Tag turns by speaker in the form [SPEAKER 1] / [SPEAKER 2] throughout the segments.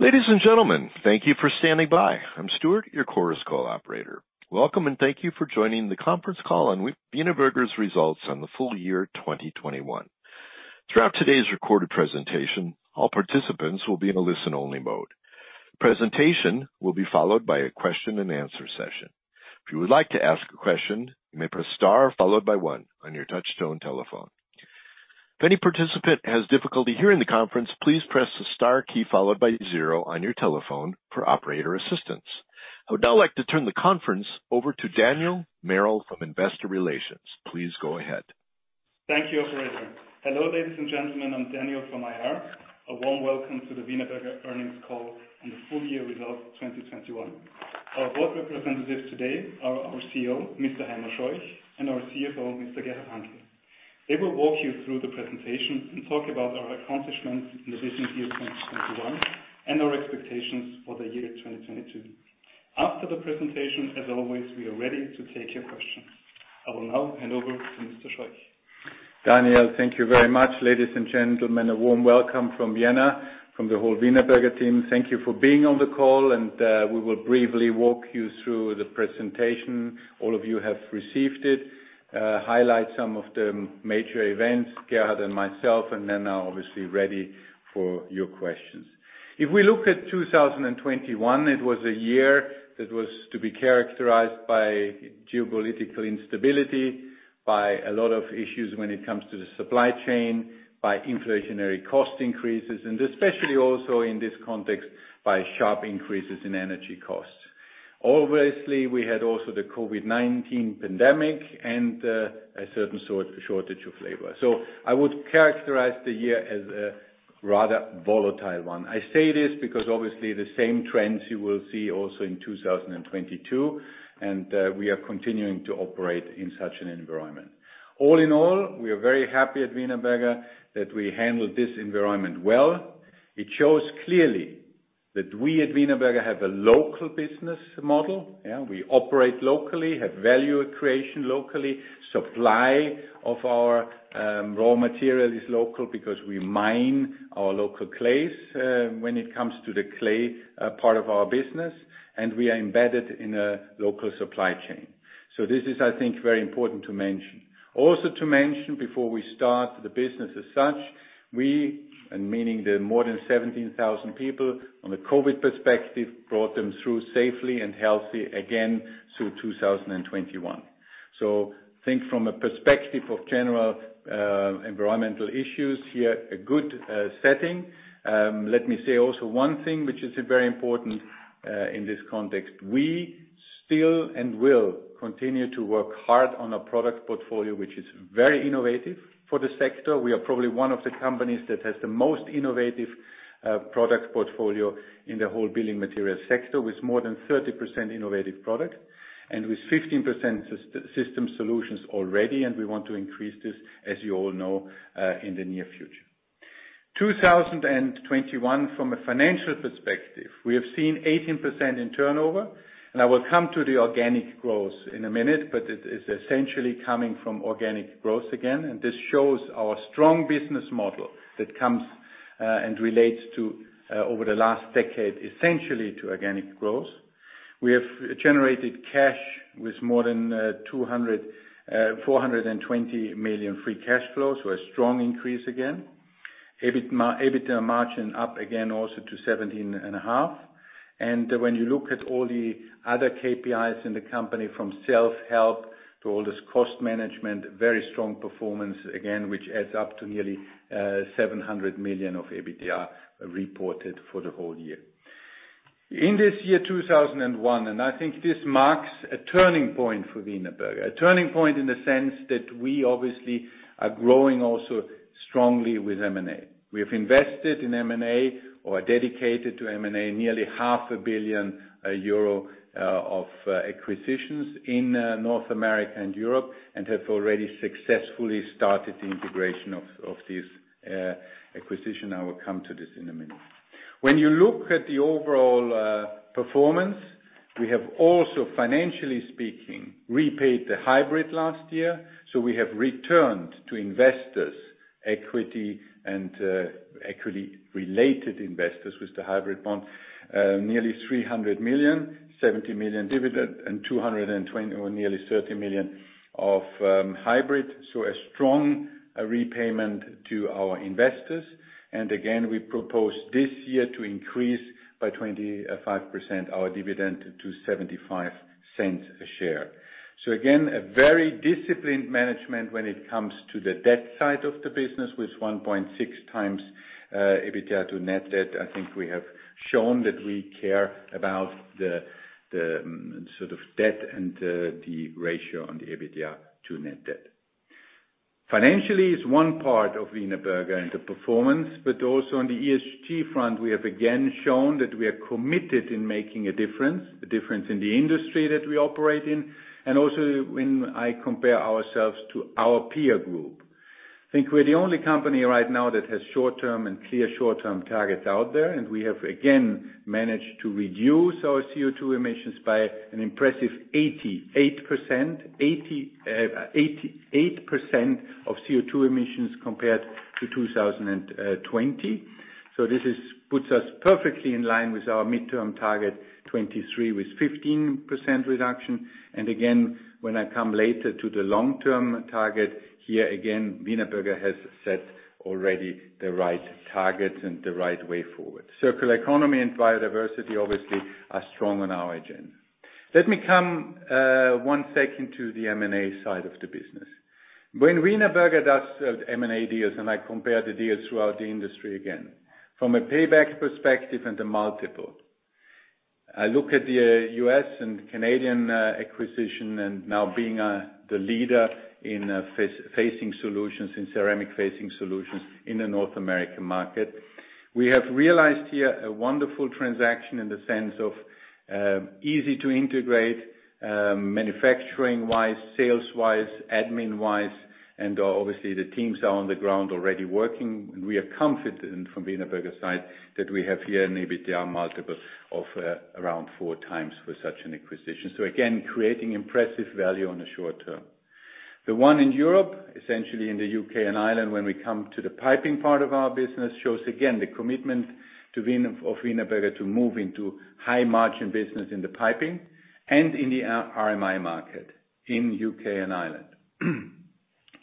[SPEAKER 1] Ladies and gentlemen, thank you for standing by. I'm Stewart, your Chorus Call operator. Welcome, and thank you for joining the conference call on Wienerberger's results on the full year 2021. Throughout today's recorded presentation, all participants will be in a listen-only mode. The presentation will be followed by a question-and-answer session. If you would like to ask a question, you may press Star followed by one on your touchtone telephone. If any participant has difficulty hearing the conference, please press the Star key followed by zero on your telephone for operator assistance. I would now like to turn the conference over to Daniel Merl from Investor Relations. Please go ahead.
[SPEAKER 2] Thank you, operator. Hello, ladies and gentlemen, I'm Daniel Merl from IR. A warm welcome to the Wienerberger earnings call and the full year results 2021. Our board representatives today are our CEO, Mr. Heimo Scheuch, and our CFO, Mr. Gerhard Hanke. They will walk you through the presentation and talk about our accomplishments in the business year 2021 and our expectations for the year 2022. After the presentation, as always, we are ready to take your questions. I will now hand over to Mr. Scheuch.
[SPEAKER 3] Daniel, thank you very much. Ladies and gentlemen, a warm welcome from Vienna, from the whole Wienerberger team. Thank you for being on the call and we will briefly walk you through the presentation. All of you have received it. Highlight some of the major events, Gerhard and myself, and then are obviously ready for your questions. If we look at 2021, it was a year that was to be characterized by geopolitical instability, by a lot of issues when it comes to the supply chain, by inflationary cost increases, and especially also in this context, by sharp increases in energy costs. Obviously, we had also the COVID-19 pandemic and a certain shortage of labor. I would characterize the year as a rather volatile one. I say this because obviously the same trends you will see also in 2022, and we are continuing to operate in such an environment. All in all, we are very happy at Wienerberger that we handled this environment well. It shows clearly that we at Wienerberger have a local business model. Yeah, we operate locally, have value creation locally. Supply of our raw material is local because we mine our local clays when it comes to the clay part of our business, and we are embedded in a local supply chain. This is, I think, very important to mention. Also to mention before we start the business as such, we, and meaning the more than 17,000 people on the COVID perspective, brought them through safely and healthy again through 2021. I think from a perspective of general environmental issues here, a good setting. Let me say also one thing, which is very important, in this context. We still and will continue to work hard on a product portfolio, which is very innovative for the sector. We are probably one of the companies that has the most innovative product portfolio in the whole building material sector, with more than 30% innovative product and with 15% system solutions already, and we want to increase this, as you all know, in the near future. 2021, from a financial perspective, we have seen 18% in turnover, and I will come to the organic growth in a minute, but it is essentially coming from organic growth again. This shows our strong business model that comes and relates to over the last decade, essentially to organic growth. We have generated cash with more than 420 million free cash flows, so a strong increase again. EBITDA margin up again also to 17.5%. When you look at all the other KPIs in the company from self-help to all this cost management, very strong performance, again, which adds up to nearly 700 million of EBITDA reported for the whole year. In this year, 2021, I think this marks a turning point for Wienerberger. A turning point in the sense that we obviously are growing also strongly with M&A. We have invested in M&A or are dedicated to M&A nearly EUR 0.5 biilion of acquisitions in North America and Europe and have already successfully started the integration of this acquisition. I will come to this in a minute. When you look at the overall performance, we have also, financially speaking, repaid the hybrid last year. We have returned to investors equity and equity related investors with the hybrid bond nearly 300 million, 70 million dividend and or nearly 30 million of hybrid. A strong repayment to our investors. Again, we propose this year to increase by 25% our dividend to 0.75 a share. Again, a very disciplined management when it comes to the debt side of the business with 1.6x EBITDA to net debt. I think we have shown that we care about the sort of debt and the ratio on the EBITDA to net debt. Financially is one part of Wienerberger and the performance, but also on the ESG front, we have again shown that we are committed in making a difference in the industry that we operate in. Also when I compare ourselves to our peer group. I think we're the only company right now that has short-term and clear short-term targets out there, and we have again managed to reduce our CO2 emissions by an impressive 88% of CO2 emissions compared to 2020. Puts us perfectly in line with our midterm target, 23 with 15% reduction. Again, when I come later to the long-term target, here again, Wienerberger has set already the right targets and the right way forward. Circular economy and biodiversity obviously are strong on our agenda. Let me come one second to the M&A side of the business. When Wienerberger does M&A deals, and I compare the deals throughout the industry again, from a payback perspective and a multiple, I look at the U.S. and Canadian acquisition and now being the leader in facing solutions, in ceramic facing solutions in the North American market. We have realized here a wonderful transaction in the sense of easy to integrate, manufacturing-wise, sales-wise, admin-wise, and obviously the teams are on the ground already working, and we are confident from Wienerberger side that we have here an EBITDA multiple of around 4x for such an acquisition. Again, creating impressive value on the short term. The one in Europe, essentially in the U.K. and Ireland, when we come to the piping part of our business, shows again the commitment of Wienerberger to move into high margin business in the piping and in the RMI market in U.K. and Ireland.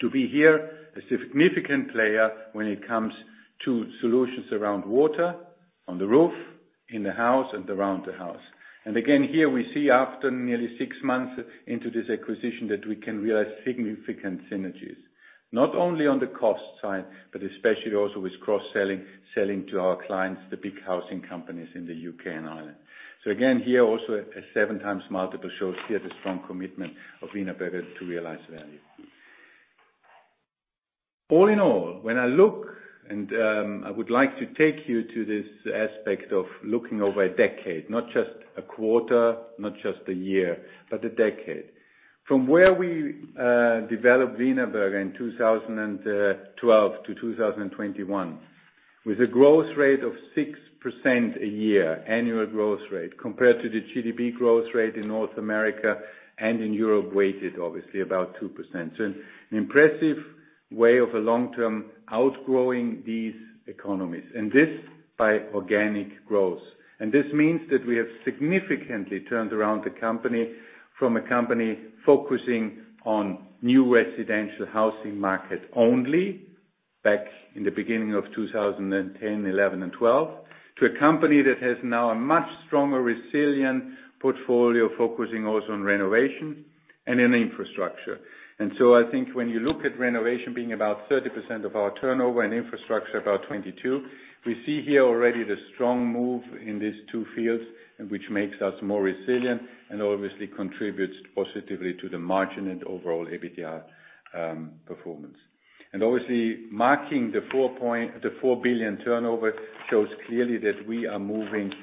[SPEAKER 3] To be here a significant player when it comes to solutions around water, on the roof, in the house and around the house. Again, here we see after nearly six months into this acquisition that we can realize significant synergies, not only on the cost side, but especially also with cross-selling, selling to our clients, the big housing companies in the U.K. and Ireland. Again, here also a 7x multiple shows here the strong commitment of Wienerberger to realize value. All in all, when I look and, I would like to take you to this aspect of looking over a decade, not just a quarter, not just a year, but a decade. From where we, developed Wienerberger in 2012 to 2021, with a growth rate of 6% a year, annual growth rate, compared to the GDP growth rate in North America and in Europe, weighted obviously about 2%. An impressive way of a long-term outgrowing these economies, and this by organic growth. This means that we have significantly turned around the company from a company focusing on new residential housing market only back in the beginning of 2010, 2011 and 2012, to a company that has now a much stronger, resilient portfolio, focusing also on renovation and in infrastructure. I think when you look at renovation being about 30% of our turnover and infrastructure about 22%, we see here already the strong move in these two fields, which makes us more resilient and obviously contributes positively to the margin and overall EBITDA performance. Obviously, marking the 4 billion turnover shows clearly that we are moving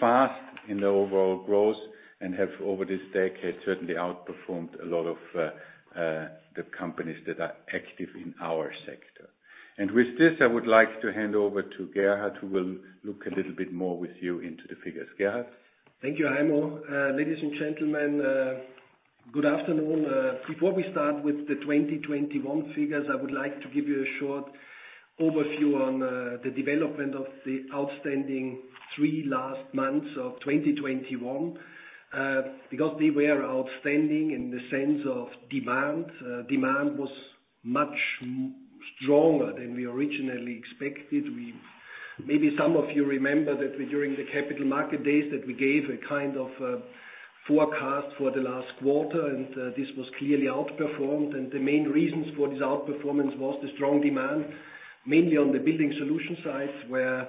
[SPEAKER 3] fast in the overall growth and have, over this decade, certainly outperformed a lot of the companies that are active in our sector. With this, I would like to hand over to Gerhard, who will look a little bit more with you into the figures. Gerhard?
[SPEAKER 4] Thank you, Heimo. Ladies and gentlemen, good afternoon. Before we start with the 2021 figures, I would like to give you a short overview on the development of the outstanding three last months of 2021, because they were outstanding in the sense of demand. Demand was much stronger than we originally expected. Maybe some of you remember that during the capital market days that we gave a kind of forecast for the last quarter, and this was clearly outperformed. The main reasons for this outperformance was the strong demand, mainly on the building solution side, where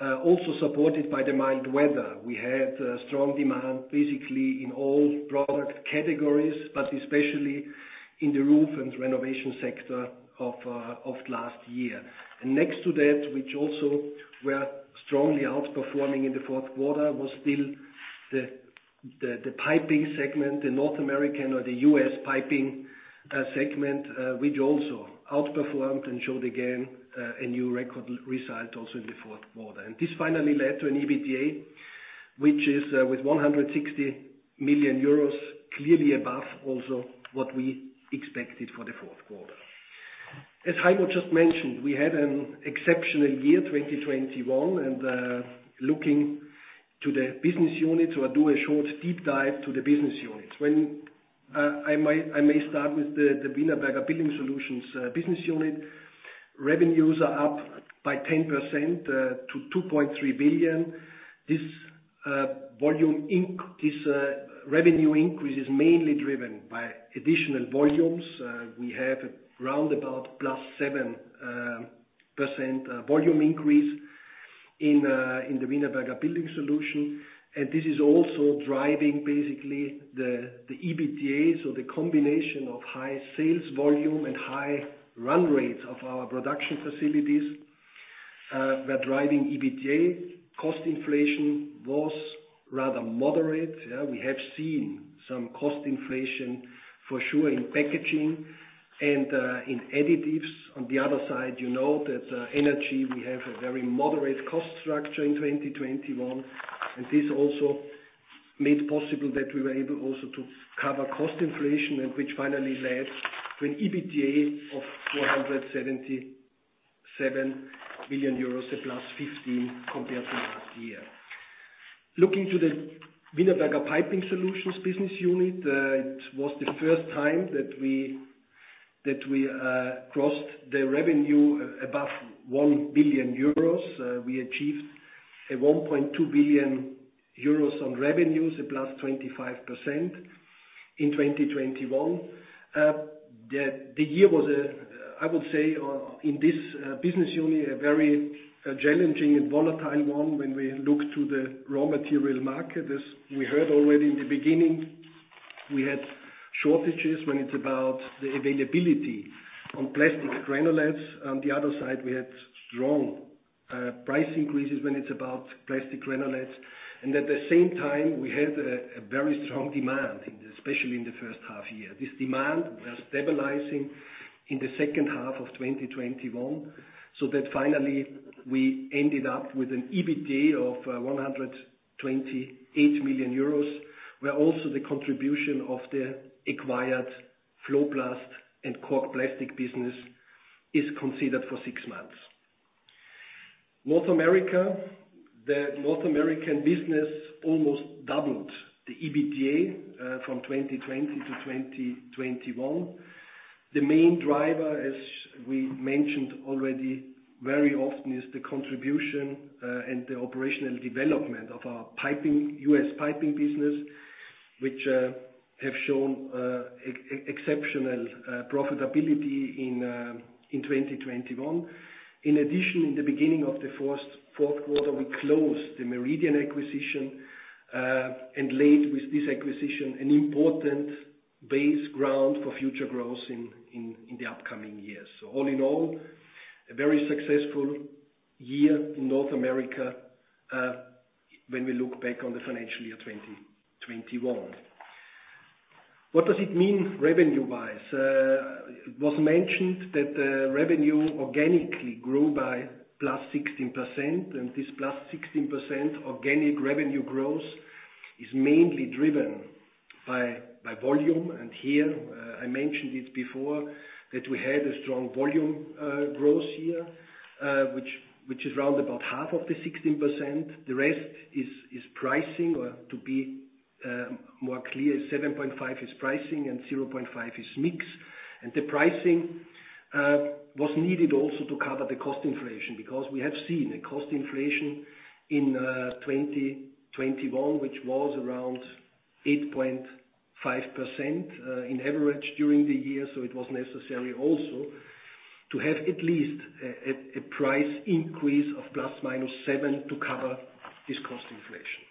[SPEAKER 4] also supported by the mild weather. We had strong demand basically in all product categories, but especially in the roof and renovation sector of last year. Next to that, which also were strongly outperforming in the fourth quarter, was still the Piping segment, the North American or the U.S. Piping segment, which also outperformed and showed again a new record result also in the fourth quarter. This finally led to an EBITDA, which is with 160 million euros, clearly above also what we expected for the fourth quarter. As Heimo just mentioned, we had an exceptional year, 2021. Looking to the business unit, so I'll do a short deep dive to the business units. I may start with the Wienerberger Building Solutions business unit. Revenues are up by 10% to 2.3 billion. This revenue increase is mainly driven by additional volumes. We have around about +7% volume increase in the Wienerberger Building Solutions. This is also driving basically the EBITDA. The combination of high sales volume and high run rates of our production facilities were driving EBITDA. Cost inflation was rather moderate. Yeah, we have seen some cost inflation for sure in packaging and in additives. On the other side, you know that energy, we have a very moderate cost structure in 2021, and this also made possible that we were able also to cover cost inflation, and which finally led to an EBITDA of 477 million euros. A +15% compared to last year. Looking to the Wienerberger Piping Solutions business unit, it was the first time that we crossed the revenue above 1 billion euros. We achieved 1.2 billion euros on revenues, +25% in 2021. The year was, I would say, in this business unit, a very challenging and volatile one when we look to the raw material market. As we heard already in the beginning, we had shortages when it's about the availability on plastic granulates. On the other side, we had strong price increases when it's about plastic granulates. At the same time, we had a very strong demand, especially in the first half year. This demand was stabilizing in the second half of 2021, so that finally we ended up with an EBITDA of 128 million euros. Where also the contribution of the acquired FloPlast and Cork Plastics business is considered for six months. North America. The North American business almost doubled the EBITDA from 2020 to 2021. The main driver, as we mentioned already very often, is the contribution and the operational development of our piping U.S. Piping business, which have shown exceptional profitability in 2021. In addition, in the beginning of the fourth quarter, we closed the Meridian acquisition and laid with this acquisition an important base ground for future growth in the upcoming years. All in all, a very successful year in North America when we look back on the financial year 2021. What does it mean revenue-wise? It was mentioned that the revenue organically grew by +16%, and this +16% organic revenue growth is mainly driven by volume. Here, I mentioned it before that we had a strong volume growth here. Which is around half of the 16%. The rest is pricing. Or to be more clear, 7.5% is pricing and 0.5% is mix. The pricing was needed also to cover the cost inflation. Because we have seen a cost inflation in 2021, which was around 8.5% on average during the year. It was necessary also to have at least a price increase of ±7% to cover this cost inflation.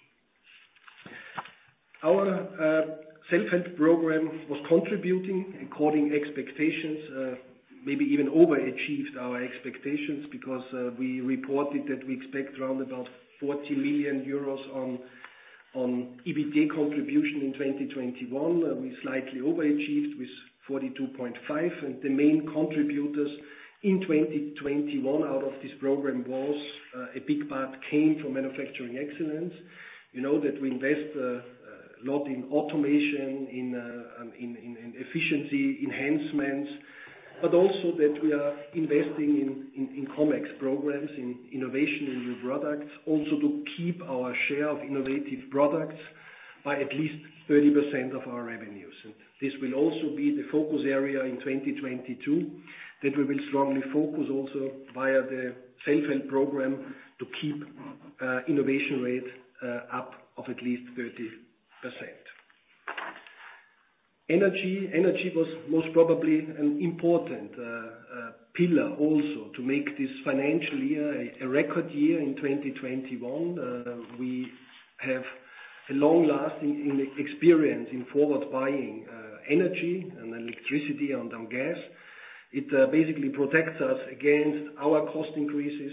[SPEAKER 4] Our Self-Help program was contributing according to expectations, maybe even overachieved our expectations. Because we reported that we expect around 40 million euros in EBITDA contribution in 2021. We slightly overachieved with 42.5 million. The main contributors in 2021 out of this program was a big part came from manufacturing excellence. You know that we invest a lot in automation, in efficiency enhancements. But also that we are investing in ComEx programs, in innovation, in new products. Also to keep our share of innovative products by at least 30% of our revenues. This will also be the focus area in 2022, that we will strongly focus also via the self-help program to keep innovation rates up of at least 30%. Energy. Energy was most probably an important pillar also to make this financial year a record year in 2021. We have a long-lasting experience in forward buying energy and electricity and gas. It basically protects us against our cost increases,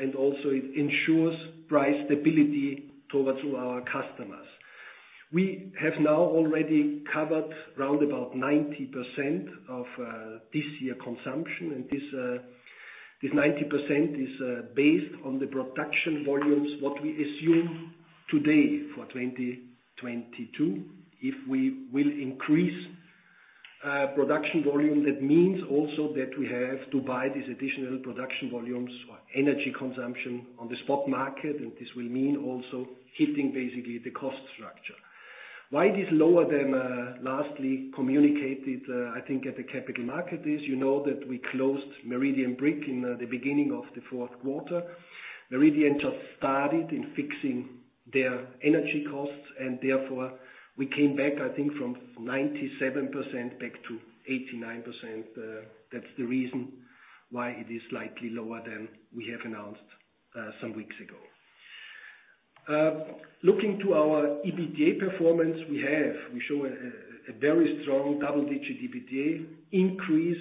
[SPEAKER 4] and also it ensures price stability towards our customers. We have now already covered round about 90% of this year's consumption. This 90% is based on the production volumes what we assume today for 2022. If we will increase production volume, that means also that we have to buy these additional production volumes or energy consumption on the spot market. This will mean also hitting basically the cost structure. Why this lower than lastly communicated, I think at the capital market is, you know that we closed Meridian Brick in the beginning of the fourth quarter. Meridian just started in fixing their energy costs and therefore we came back, I think, from 97% back to 89%. That's the reason why it is slightly lower than we have announced some weeks ago. Looking to our EBITDA performance, we show a very strong double-digit EBITDA increase,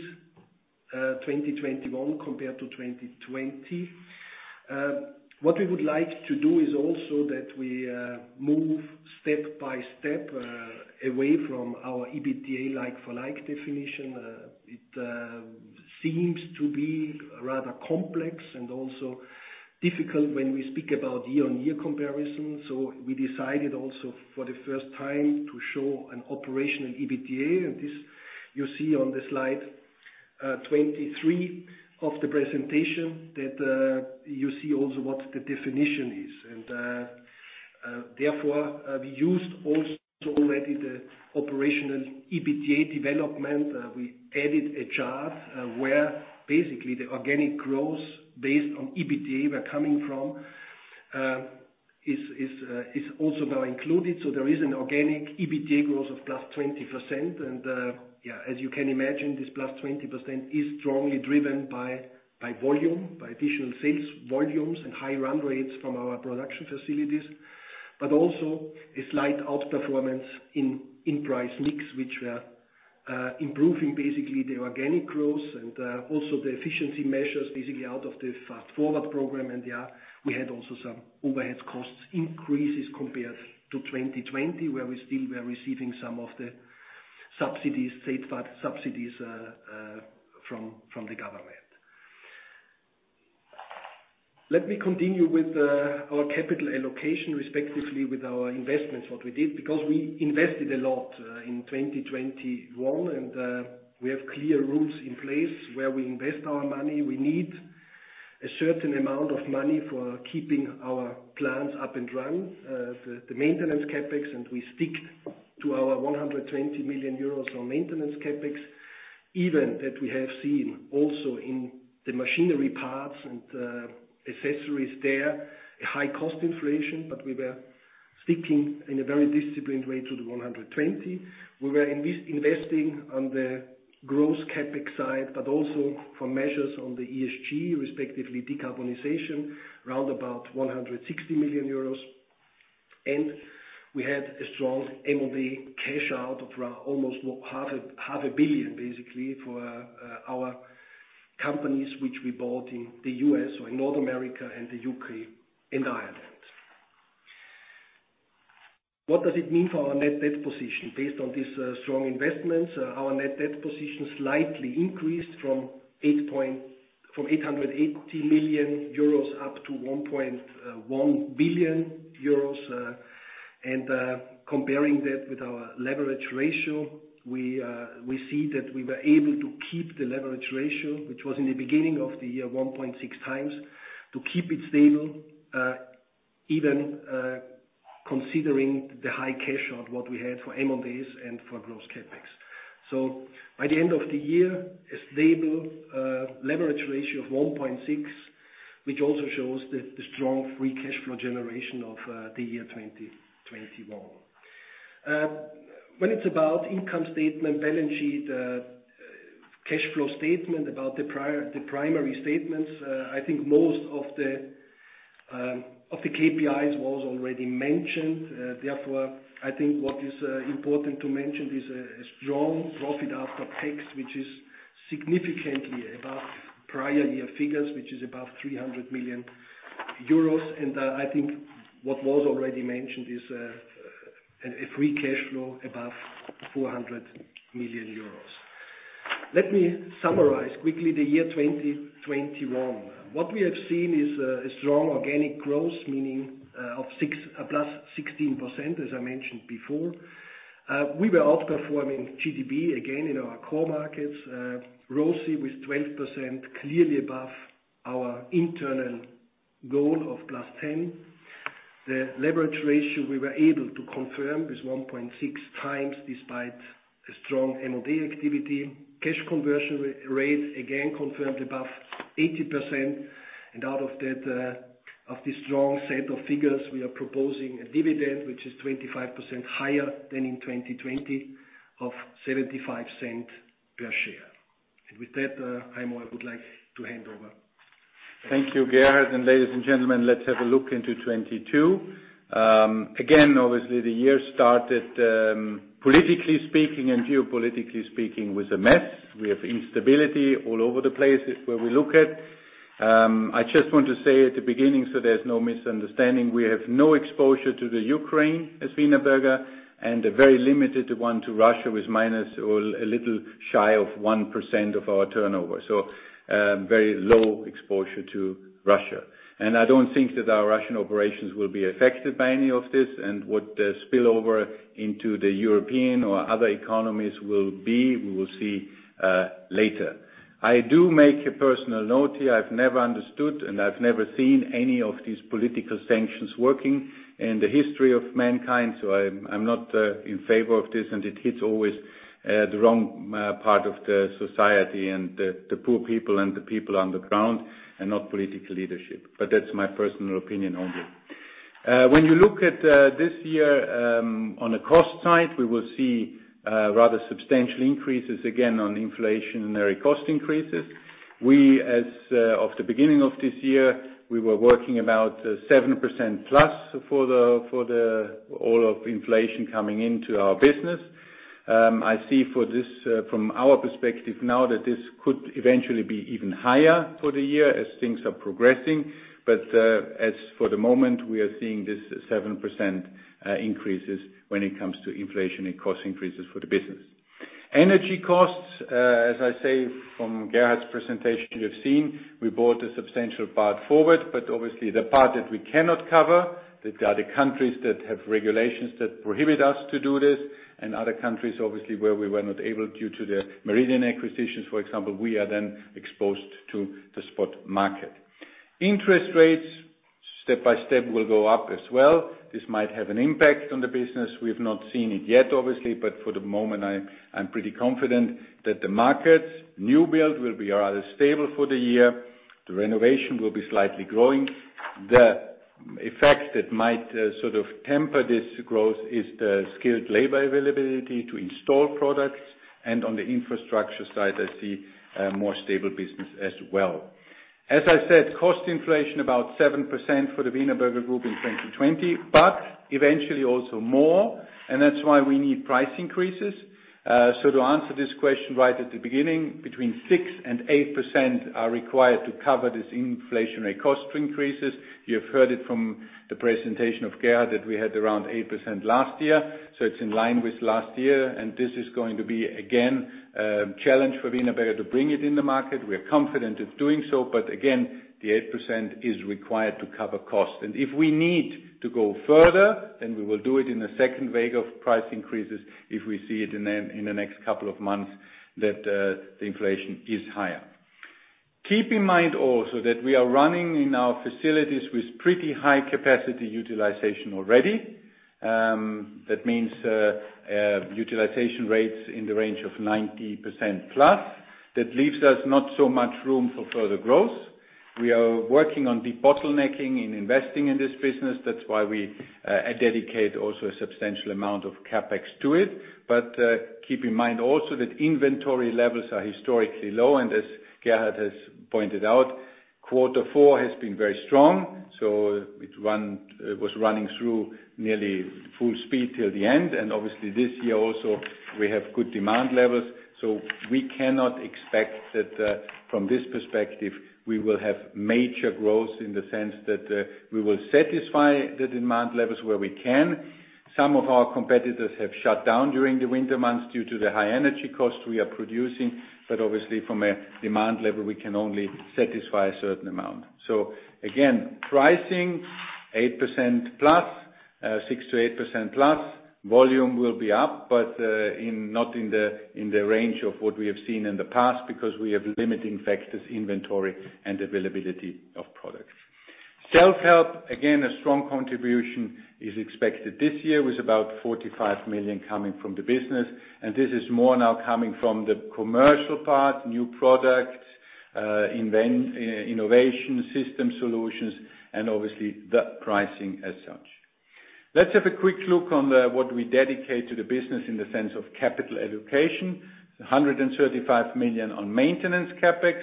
[SPEAKER 4] 2021 compared to 2020. What we would like to do is also that we move step by step away from our EBITDA like for like definition. It seems to be rather complex and also difficult when we speak about year-on-year comparison. We decided also for the first time to show an operational EBITDA. This you see on the slide 23 of the presentation that you see also what the definition is. Therefore, we used also already the operational EBITDA development. We added a chart where basically the organic growth based on EBITDA is also now included. There is an organic EBITDA growth of +20%. Yeah, as you can imagine, this +20% is strongly driven by volume, by additional sales volumes and high run rates from our production facilities. Also a slight outperformance in price mix, which improving basically the organic growth and also the efficiency measures, basically out of the Fast Forward program. Yeah, we had also some overhead costs increases compared to 2020, where we still were receiving some of the subsidies, state-funded subsidies from the government. Let me continue with our capital allocation, respectively, with our investments, what we did, because we invested a lot in 2021. We have clear rules in place where we invest our money. We need a certain amount of money for keeping our plants up and running. The maintenance CapEx, and we stick to our 120 million euros on maintenance CapEx. Even that we have seen also in the machinery parts and accessories there, a high cost inflation, but we were sticking in a very disciplined way to the 120 million. We were investing on the growth CapEx side, but also for measures on the ESG, respectively decarbonization, around 160 million euros. We had a strong M&A cash out of almost half a billion, basically, for our companies which we bought in the U.S. or in North America and the U.K. and Ireland. What does it mean for our net debt position? Based on these strong investments, our net debt position slightly increased from 880 million euros up to 1 billion euros. Comparing that with our leverage ratio, we see that we were able to keep the leverage ratio, which was in the beginning of the year, 1.6x, to keep it stable, even considering the high cash out what we had for M&As and for growth CapEx. By the end of the year, a stable leverage ratio of 1.6, which also shows the strong free cash flow generation of the year 2021. When it's about income statement, balance sheet, cash flow statement, about the primary statements, I think most of the KPIs was already mentioned. Therefore, I think what is important to mention is a strong profit after tax, which is significantly above prior year figures, which is above 300 million euros. I think what was already mentioned is a free cash flow above 400 million euros. Let me summarize quickly the year 2021. What we have seen is a strong organic growth, meaning +16%, as I mentioned before. We were outperforming GDP again in our core markets. ROSI with 12%, clearly above our internal goal of +10. The leverage ratio we were able to confirm is 1.6x, despite a strong M&A activity. Cash conversion rate again confirmed above 80%. Out of that, of this strong set of figures, we are proposing a dividend which is 25% higher than in 2020 of 0.75 per share. With that, Heimo, I would like to hand over.
[SPEAKER 3] Thank you, Gerhard. Ladies and gentlemen, let's have a look into 2022. Again, obviously, the year started, politically speaking and geopolitically speaking, with a mess. We have instability all over the places where we look at. I just want to say at the beginning, so there's no misunderstanding, we have no exposure to the Ukraine as Wienerberger, and a very limited one to Russia, with minus or a little shy of 1% of our turnover. Very low exposure to Russia. I don't think that our Russian operations will be affected by any of this and what the spillover into the European or other economies will be, we will see later. I do make a personal note here. I've never understood, and I've never seen any of these political sanctions working in the history of mankind. I'm not in favor of this, and it hits always the wrong part of the society and the poor people and the people on the ground and not political leadership. That's my personal opinion only. When you look at this year, on a cost side, we will see rather substantial increases, again, on inflationary cost increases. We, as of the beginning of this year, we were working about 7%+ for all of inflation coming into our business. I see for this from our perspective now that this could eventually be even higher for the year as things are progressing. As for the moment, we are seeing this 7% increases when it comes to inflation and cost increases for the business. Energy costs, as I say from Gerhard's presentation, you have seen, we brought a substantial part forward, but obviously the part that we cannot cover, that are the countries that have regulations that prohibit us to do this, and other countries, obviously, where we were not able due to the Meridian acquisitions, for example, we are then exposed to the spot market. Interest rates, step by step, will go up as well. This might have an impact on the business. We've not seen it yet, obviously, but for the moment, I'm pretty confident that the markets, new build, will be rather stable for the year. The renovation will be slightly growing. The effect that might sort of temper this growth is the skilled labor availability to install products, and on the infrastructure side, I see a more stable business as well. As I said, cost inflation about 7% for the Wienerberger Group in 2020, but eventually also more, and that's why we need price increases. To answer this question right at the beginning, between 6% and 8% are required to cover this inflationary cost increases. You have heard it from the presentation of Gerhard that we had around 8% last year, so it's in line with last year. This is going to be again, a challenge for Wienerberger to bring it in the market. We're confident of doing so, but again, the 8% is required to cover costs. If we need to go further, then we will do it in a second wave of price increases if we see it in the next couple of months that the inflation is higher. Keep in mind also that we are running in our facilities with pretty high capacity utilization already. That means utilization rates in the range of 90% plus. That leaves us not so much room for further growth. We are working on debottlenecking and investing in this business. That's why we dedicate also a substantial amount of CapEx to it. Keep in mind also that inventory levels are historically low, and as Gerhard has pointed out, quarter four has been very strong, so it was running through nearly full speed till the end. Obviously this year also, we have good demand levels. We cannot expect that from this perspective, we will have major growth in the sense that we will satisfy the demand levels where we can. Some of our competitors have shut down during the winter months due to the high energy costs we are producing, but obviously from a demand level, we can only satisfy a certain amount. Again, pricing 8%+, 6%-8%+. Volume will be up, but not in the range of what we have seen in the past because we have limiting factors, inventory, and availability of products. Self-help again, a strong contribution is expected this year with about 45 million coming from the business. This is more now coming from the commercial part, new products, innovation system solutions, and obviously the pricing as such. Let's have a quick look on the, what we dedicate to the business in the sense of capital allocation. 135 million on maintenance CapEx.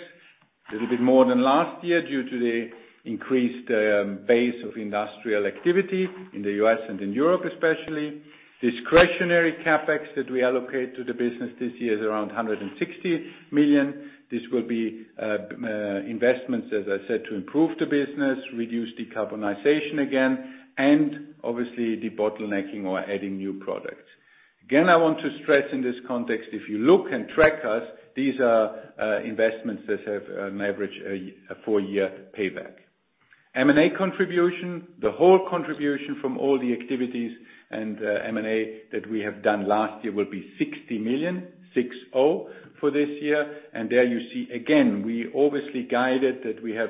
[SPEAKER 3] Little bit more than last year due to the increased base of industrial activity in the U.S. and in Europe, especially. Discretionary CapEx that we allocate to the business this year is around 160 million. This will be investments, as I said, to improve the business, reduce decarbonization again, and obviously, debottlenecking or adding new products. Again, I want to stress in this context, if you look and track us, these are investments that have an average four-year payback. M&A contribution. The whole contribution from all the activities and M&A that we have done last year will be 60 million for this year. There you see again, we obviously guided that we have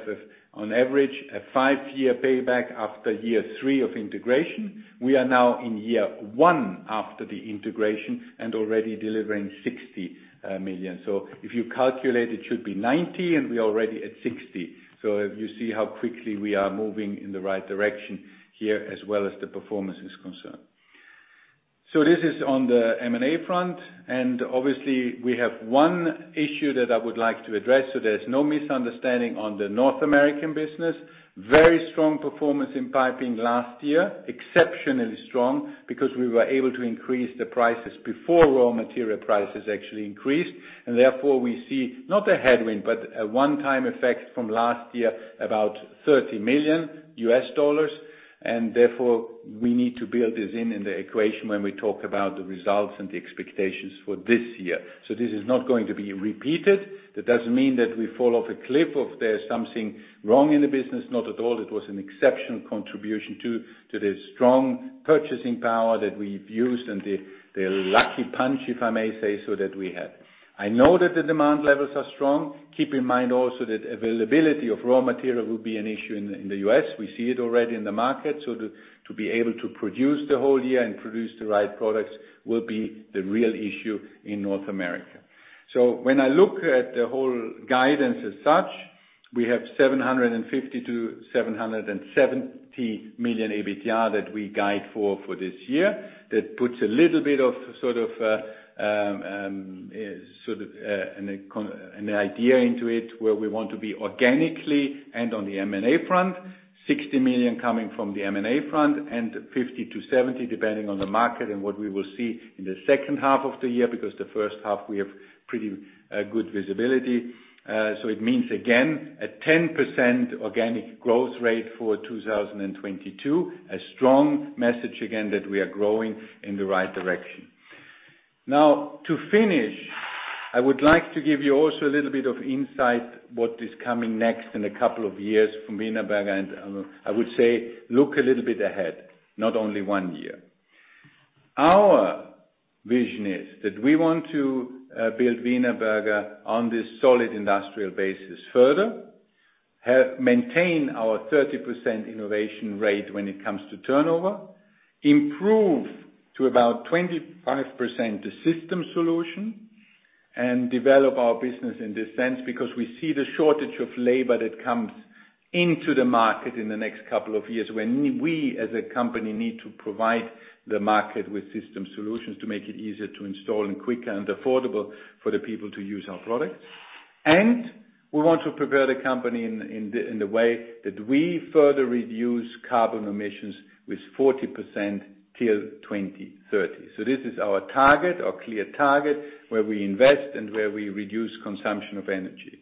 [SPEAKER 3] on average, a five-year payback after year three of integration. We are now in year one after the integration and already delivering 60 million. If you calculate, it should be 90 million, and we're already at 60 million. You see how quickly we are moving in the right direction here as well as the performance is concerned. This is on the M&A front. Obviously we have one issue that I would like to address so there's no misunderstanding on the North American business. Very strong performance in piping last year. Exceptionally strong because we were able to increase the prices before raw material prices actually increased. Therefore we see not a headwind, but a one-time effect from last year, about $30 million. Therefore, we need to build this in the equation when we talk about the results and the expectations for this year. This is not going to be repeated. That doesn't mean that we fall off a cliff or there's something wrong in the business. Not at all. It was an exceptional contribution to the strong purchasing power that we've used and the lucky punch, if I may say, so that we had. I know that the demand levels are strong. Keep in mind also that availability of raw material will be an issue in the U.S. We see it already in the market. So to be able to produce the whole year and produce the right products will be the real issue in North America. So when I look at the whole guidance as such. We have 750 million-770 million EBITDA that we guide for this year. That puts a little bit of, sort of, an idea into it, where we want to be organically and on the M&A front. 60 million coming from the M&A front, and 50 million-70 million, depending on the market and what we will see in the second half of the year, because the first half we have pretty good visibility. It means, again, a 10% organic growth rate for 2022. A strong message, again, that we are growing in the right direction. Now, to finish, I would like to give you also a little bit of insight what is coming next in a couple of years from Wienerberger. I would say, look a little bit ahead, not only one year. Our vision is that we want to build Wienerberger on this solid industrial basis further. Maintain our 30% innovation rate when it comes to turnover. Improve to about 25% the system solution, and develop our business in this sense, because we see the shortage of labor that comes into the market in the next couple of years, when we, as a company, need to provide the market with system solutions to make it easier to install and quicker and affordable for the people to use our products. We want to prepare the company in the way that we further reduce carbon emissions with 40% till 2030. This is our target, our clear target, where we invest and where we reduce consumption of energy.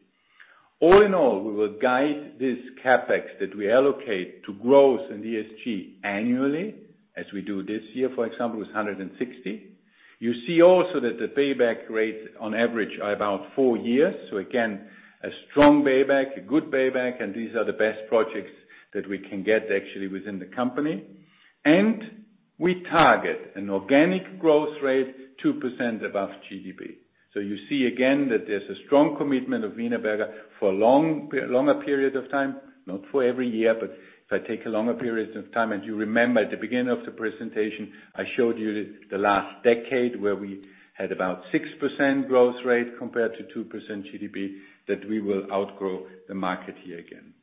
[SPEAKER 3] All in all, we will guide this CapEx that we allocate to growth in ESG annually, as we do this year, for example, with 160 million. You see also that the payback rate on average are about four years. Again, a strong payback, a good payback, and these are the best projects that we can get actually within the company. We target an organic growth rate 2% above GDP. You see again that there's a strong commitment of Wienerberger for a longer period of time. Not for every year, but if I take a longer period of time, and you remember at the beginning of the presentation, I showed you the last decade, where we had about 6% growth rate compared to 2% GDP, that we will outgrow the market here again.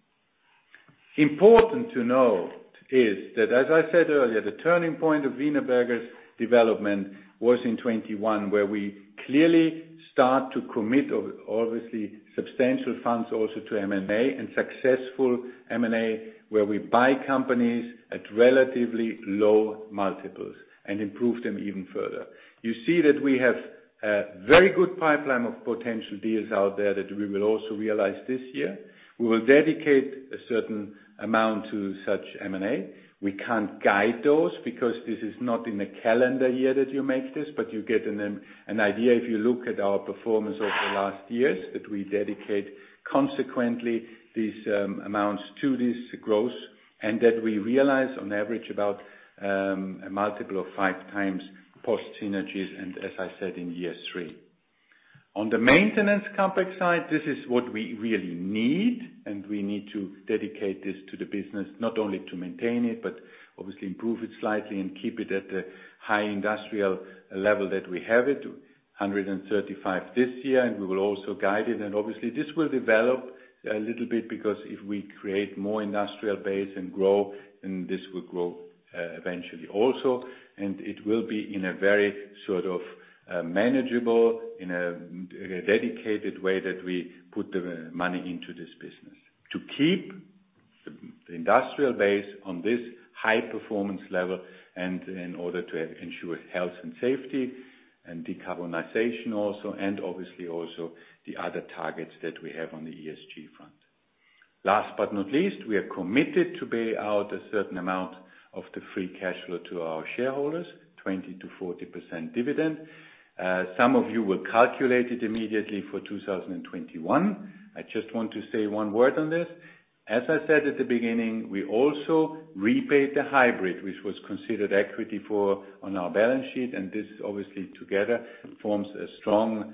[SPEAKER 3] Important to note is that, as I said earlier, the turning point of Wienerberger's development was in 2021, where we clearly start to commit obviously substantial funds also to M&A and successful M&A, where we buy companies at relatively low multiples and improve them even further. You see that we have a very good pipeline of potential deals out there that we will also realize this year. We will dedicate a certain amount to such M&A. We can't guide those, because this is not in a calendar year that you make this, but you get an idea if you look at our performance over the last years, that we dedicate consequently these amounts to this growth, and that we realize on average about a multiple of 5x post synergies, and as I said, in year three. On the maintenance CapEx side, this is what we really need, and we need to dedicate this to the business, not only to maintain it, but obviously improve it slightly and keep it at the high industrial level that we have it, 135 million this year, and we will also guide it. Obviously, this will develop a little bit, because if we create more industrial base and grow, then this will grow, eventually also. It will be in a very sort of manageable, in a dedicated way that we put the money into this business. To keep the industrial base on this high performance level and in order to ensure health and safety and decarbonization also, and obviously also the other targets that we have on the ESG front. Last but not least, we are committed to pay out a certain amount of the free cash flow to our shareholders, 20%-40% dividend. Some of you will calculate it immediately for 2021. I just want to say one word on this. As I said at the beginning, we also repaid the hybrid, which was considered equity on our balance sheet, and this obviously together forms a strong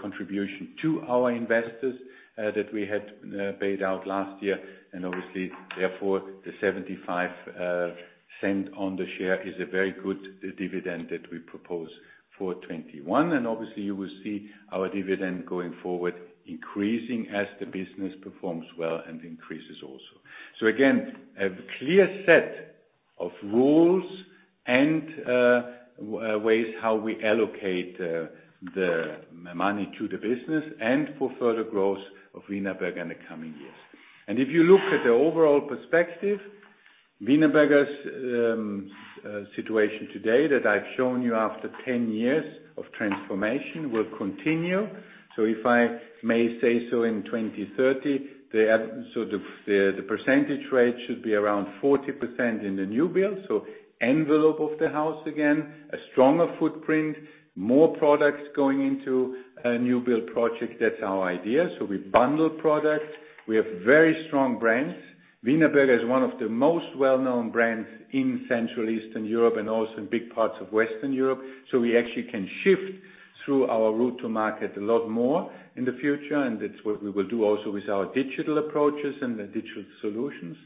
[SPEAKER 3] contribution to our investors that we had paid out last year. Obviously, therefore, the €0.75 on the share is a very good dividend that we propose for 2021. Obviously, you will see our dividend going forward increasing as the business performs well and increases also. Again, a clear set of rules and ways how we allocate the money to the business and for further growth of Wienerberger in the coming years. If you look at the overall perspective, Wienerberger's situation today that I've shown you after ten years of transformation will continue. If I may say so, in 2030, the percentage rate should be around 40% in the new build. Envelope of the house, again, a stronger footprint, more products going into a new build project. That's our idea. We bundle products. We have very strong brands. Wienerberger is one of the most well-known brands in Central Eastern Europe and also in big parts of Western Europe. We actually can shift through our route to market a lot more in the future, and that's what we will do also with our digital approaches and the digital solutions.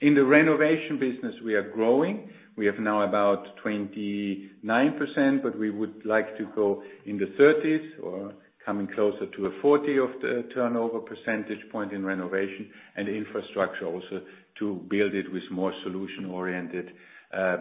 [SPEAKER 3] In the renovation business, we are growing. We have now about 29%, but we would like to go in the 30% or coming closer to a 40 of the turnover percentage point in renovation and infrastructure also to build it with more solution-oriented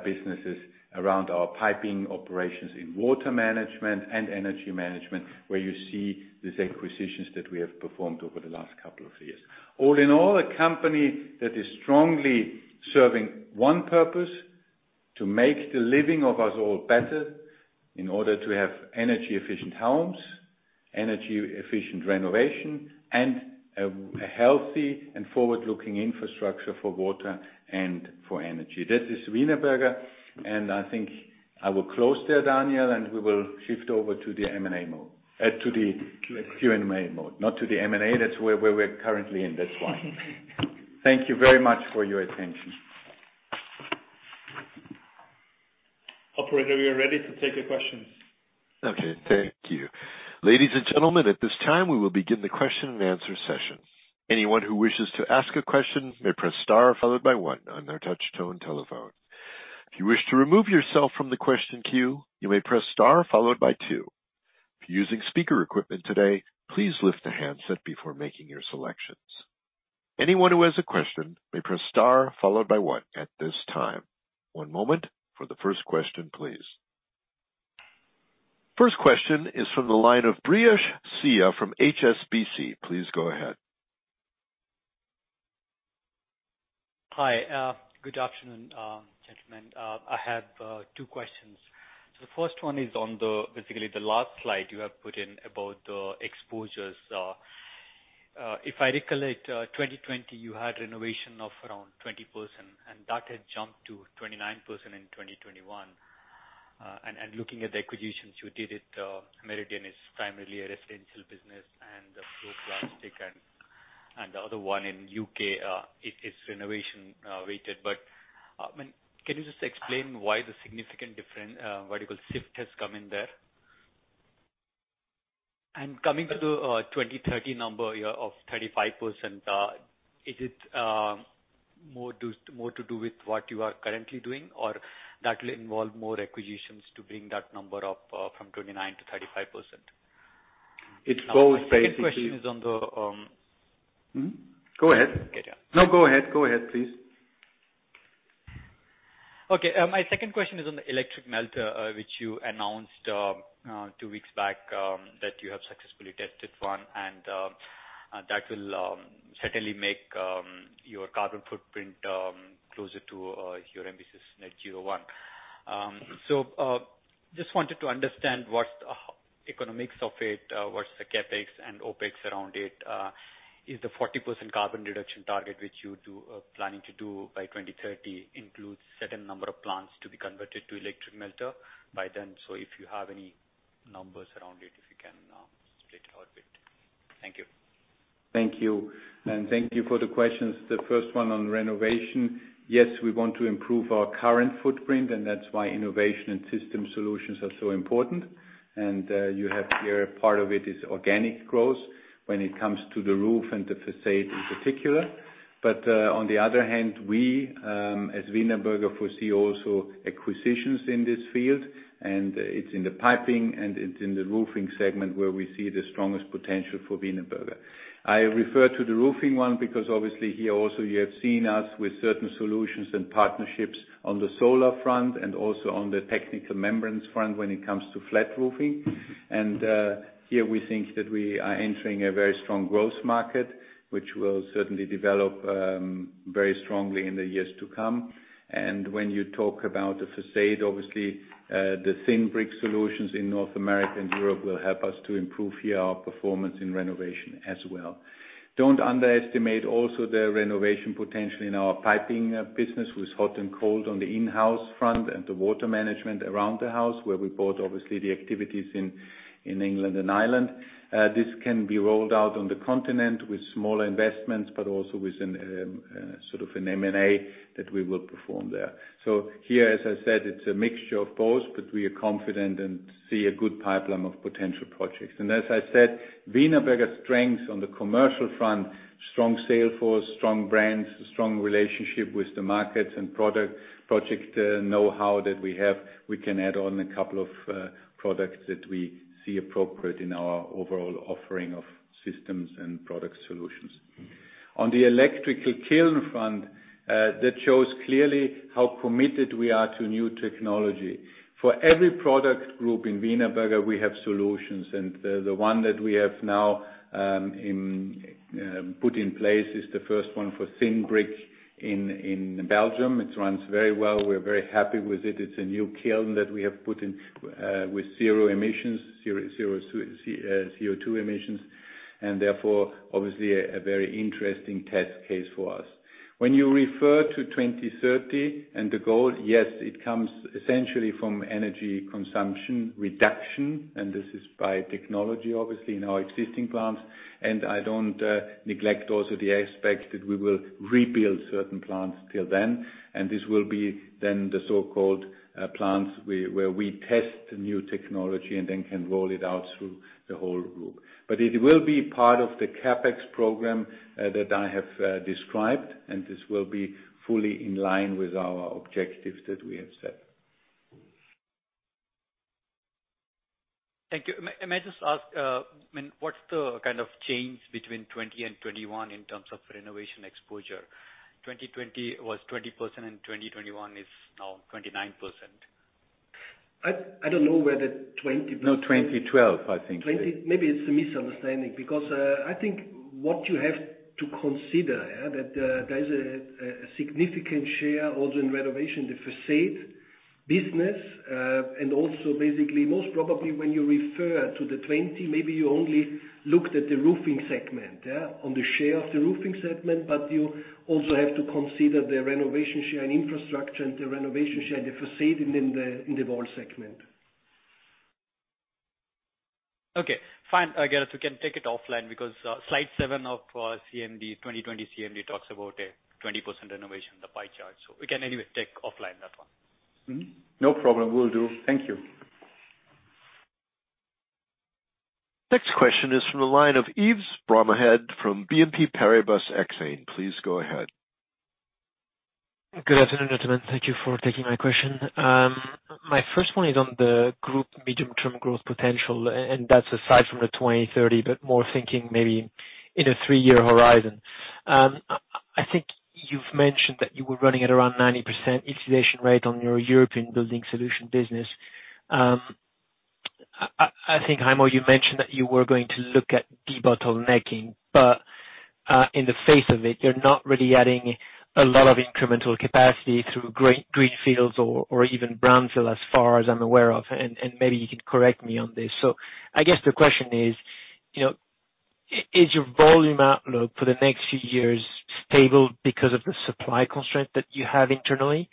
[SPEAKER 3] businesses around our piping operations in water management and energy management, where you see these acquisitions that we have performed over the last couple of years. All in all, a company that is strongly serving one purpose, to make the living of us all better in order to have energy-efficient homes, energy-efficient renovation, and a healthy and forward-looking infrastructure for water and for energy. That is Wienerberger, and I think I will close there, Daniel, and we will shift over to the M&A mode.
[SPEAKER 2] Q&A.
[SPEAKER 3] Q&A mode, not to the M&A. That's where we're currently in this one. Thank you very much for your attention.
[SPEAKER 2] Operator, we are ready to take the questions.
[SPEAKER 1] Okay, thank you. Ladies and gentlemen, at this time, we will begin the question and answer session. Anyone who wishes to ask a question may press Star followed by one on their touch-tone telephone. If you wish to remove yourself from the question queue, you may press Star followed by two. If you're using speaker equipment today, please lift the handset before making your selections. Anyone who has a question may press star followed by one at this time. One moment for the first question, please. First question is from the line of Brijesh Siya from HSBC. Please go ahead.
[SPEAKER 5] Hi, good afternoon, gentlemen. I have two questions. The first one is on basically the last slide you have put in about the exposures. If I recollect, 2020, you had renovation of around 20%, and that had jumped to 29% in 2021. Looking at the acquisitions you did, Meridian is primarily a residential business and the FloPlast and the other one in U.K., it is renovation rated. I mean, can you just explain why the significant difference, what do you call, shift has come in there? Coming to the 2030 number of 35%, is it more to do with what you are currently doing or that will involve more acquisitions to bring that number up from 29% to 35%?
[SPEAKER 3] It goes basically.
[SPEAKER 5] My second question is on the-
[SPEAKER 3] Mm-hmm. Go ahead.
[SPEAKER 5] Okay, yeah.
[SPEAKER 3] No, go ahead. Go ahead, please.
[SPEAKER 5] Okay, my second question is on the electric kiln, which you announced two weeks back that you have successfully tested one and that will certainly make your carbon footprint closer to your net-zero 2050 ambitions. Just wanted to understand what economics of it, what's the CapEx and OpEx around it. Is the 40% carbon reduction target, which you are planning to do by 2030, includes certain number of plants to be converted to electric kiln by then. If you have any numbers around it, if you can split it out a bit. Thank you.
[SPEAKER 3] Thank you. Thank you for the questions. The first one on renovation. Yes, we want to improve our current footprint, and that's why innovation and system solutions are so important. You have here part of it is organic growth when it comes to the roof and the façade in particular. On the other hand, we as Wienerberger foresee also acquisitions in this field, and it's in the piping and it's in the roofing segment where we see the strongest potential for Wienerberger. I refer to the roofing one because obviously here also you have seen us with certain solutions and partnerships on the solar front and also on the technical membranes front when it comes to flat roofing. Here we think that we are entering a very strong growth market, which will certainly develop very strongly in the years to come. When you talk about the façade, obviously, the thin brick solutions in North America and Europe will help us to improve here our performance in renovation as well. Don't underestimate also the renovation potential in our piping business with hot and cold on the in-house front and the water management around the house where we bought obviously the activities in England and Ireland. This can be rolled out on the continent with smaller investments, but also with a sort of an M&A that we will perform there. Here, as I said, it's a mixture of both, but we are confident and see a good pipeline of potential projects. As I said, Wienerberger's strength on the commercial front, strong sales force, strong brands, strong relationship with the markets and product project know-how that we have, we can add on a couple of products that we see appropriate in our overall offering of systems and product solutions. On the electrical kiln front, that shows clearly how committed we are to new technology. For every product group in Wienerberger, we have solutions, and the one that we have now put in place is the first one for thin brick in Belgium. It runs very well. We're very happy with it. It's a new kiln that we have put in with zero emissions, zero CO2 emissions, and therefore, obviously a very interesting test case for us. When you refer to 2030 and the goal, yes, it comes essentially from energy consumption reduction, and this is by technology, obviously, in our existing plants. I don't neglect also the aspect that we will rebuild certain plants till then. This will be then the so-called plants where we test the new technology and then can roll it out through the whole group. It will be part of the CapEx program that I have described, and this will be fully in line with our objectives that we have set.
[SPEAKER 5] Thank you. May I just ask, what's the kind of change between 2020 and 2021 in terms of renovation exposure? 2020 was 20% and 2021 is now 29%.
[SPEAKER 3] I don't know where the 20%-
[SPEAKER 5] No, 2012, I think.
[SPEAKER 3] Maybe it's a misunderstanding because I think what you have to consider here is that there is a significant share also in renovation, the façade business. And also basically, most probably when you refer to the 20%, maybe you only looked at the roofing segment, yeah, on the share of the roofing segment. You also have to consider the renovation share and infrastructure and the renovation share, the façade in the wall segment.
[SPEAKER 5] Okay, fine. I guess we can take it offline because slide seven of CMD, 2020 CMD talks about a 20% renovation, the pie chart. We can anyway take offline that one.
[SPEAKER 3] Mm-hmm. No problem. Will do. Thank you.
[SPEAKER 1] Next question is from the line of Yves Bromehead from BNP Paribas Exane. Please go ahead.
[SPEAKER 6] Good afternoon, gentlemen. Thank you for taking my question. My first one is on the group medium-term growth potential, and that's aside from the 2030, but more thinking maybe in a three-year horizon. I think you've mentioned that you were running at around 90% utilization rate on your European building solution business. I think, Heimo, you mentioned that you were going to look at debottlenecking, but in the face of it, you're not really adding a lot of incremental capacity through greenfields or even brownfield, as far as I'm aware of. And maybe you can correct me on this. I guess the question is, you know, is your volume outlook for the next few years stable because of the supply constraint that you have internally?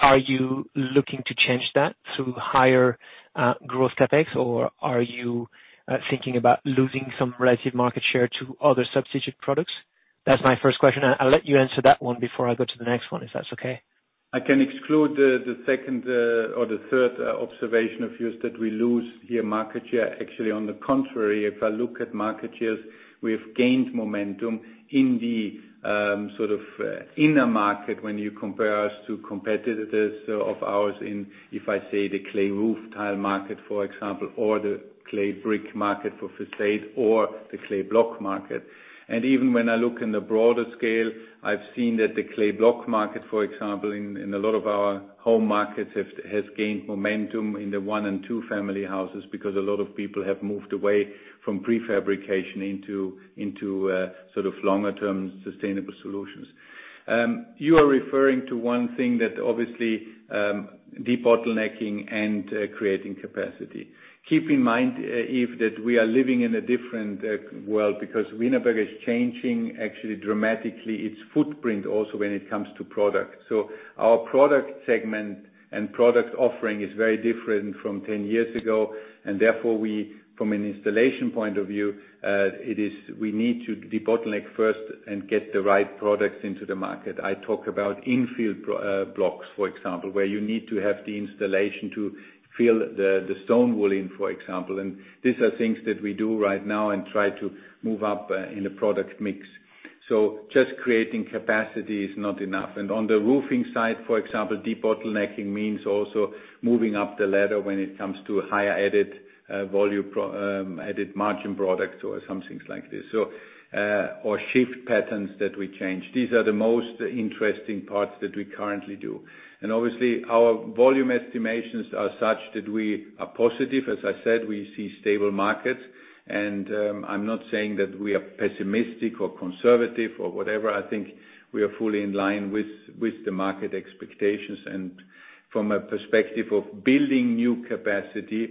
[SPEAKER 6] Are you looking to change that through higher growth CapEx, or are you thinking about losing some relative market share to other substitute products? That's my first question. I'll let you answer that one before I go to the next one, if that's okay.
[SPEAKER 3] I can exclude the second or the third observation of yours that we lose here market share. Actually, on the contrary, if I look at market shares, we have gained momentum in the sort of inner market when you compare us to competitors of ours in, if I say, the clay roof tile market, for example, or the clay brick market for façade, or the clay block market. Even when I look in the broader scale, I've seen that the clay block market, for example, in a lot of our home markets has gained momentum in the one and two family houses because a lot of people have moved away from prefabrication into sort of longer-term sustainable solutions. You are referring to oone thing that obviously debottlenecking and creating capacity. Keep in mind, Yves, that we are living in a different world because Wienerberger is changing actually dramatically its footprint also when it comes to product. Our product segment and product offering is very different from 10 years ago, and therefore, from an installation point of view, we need to debottleneck first and get the right products into the market. I talk about infill blocks, for example, where you need to have the installation to fill the stone wool in, for example. These are things that we do right now and try to move up in the product mix. Just creating capacity is not enough. On the roofing side, for example, debottlenecking means also moving up the ladder when it comes to higher value-added products or added margin products or some things like this or shift patterns that we change. These are the most interesting parts that we currently do. Obviously, our volume estimations are such that we are positive. As I said, we see stable markets, and I'm not saying that we are pessimistic or conservative or whatever. I think we are fully in line with the market expectations. From a perspective of building new capacity,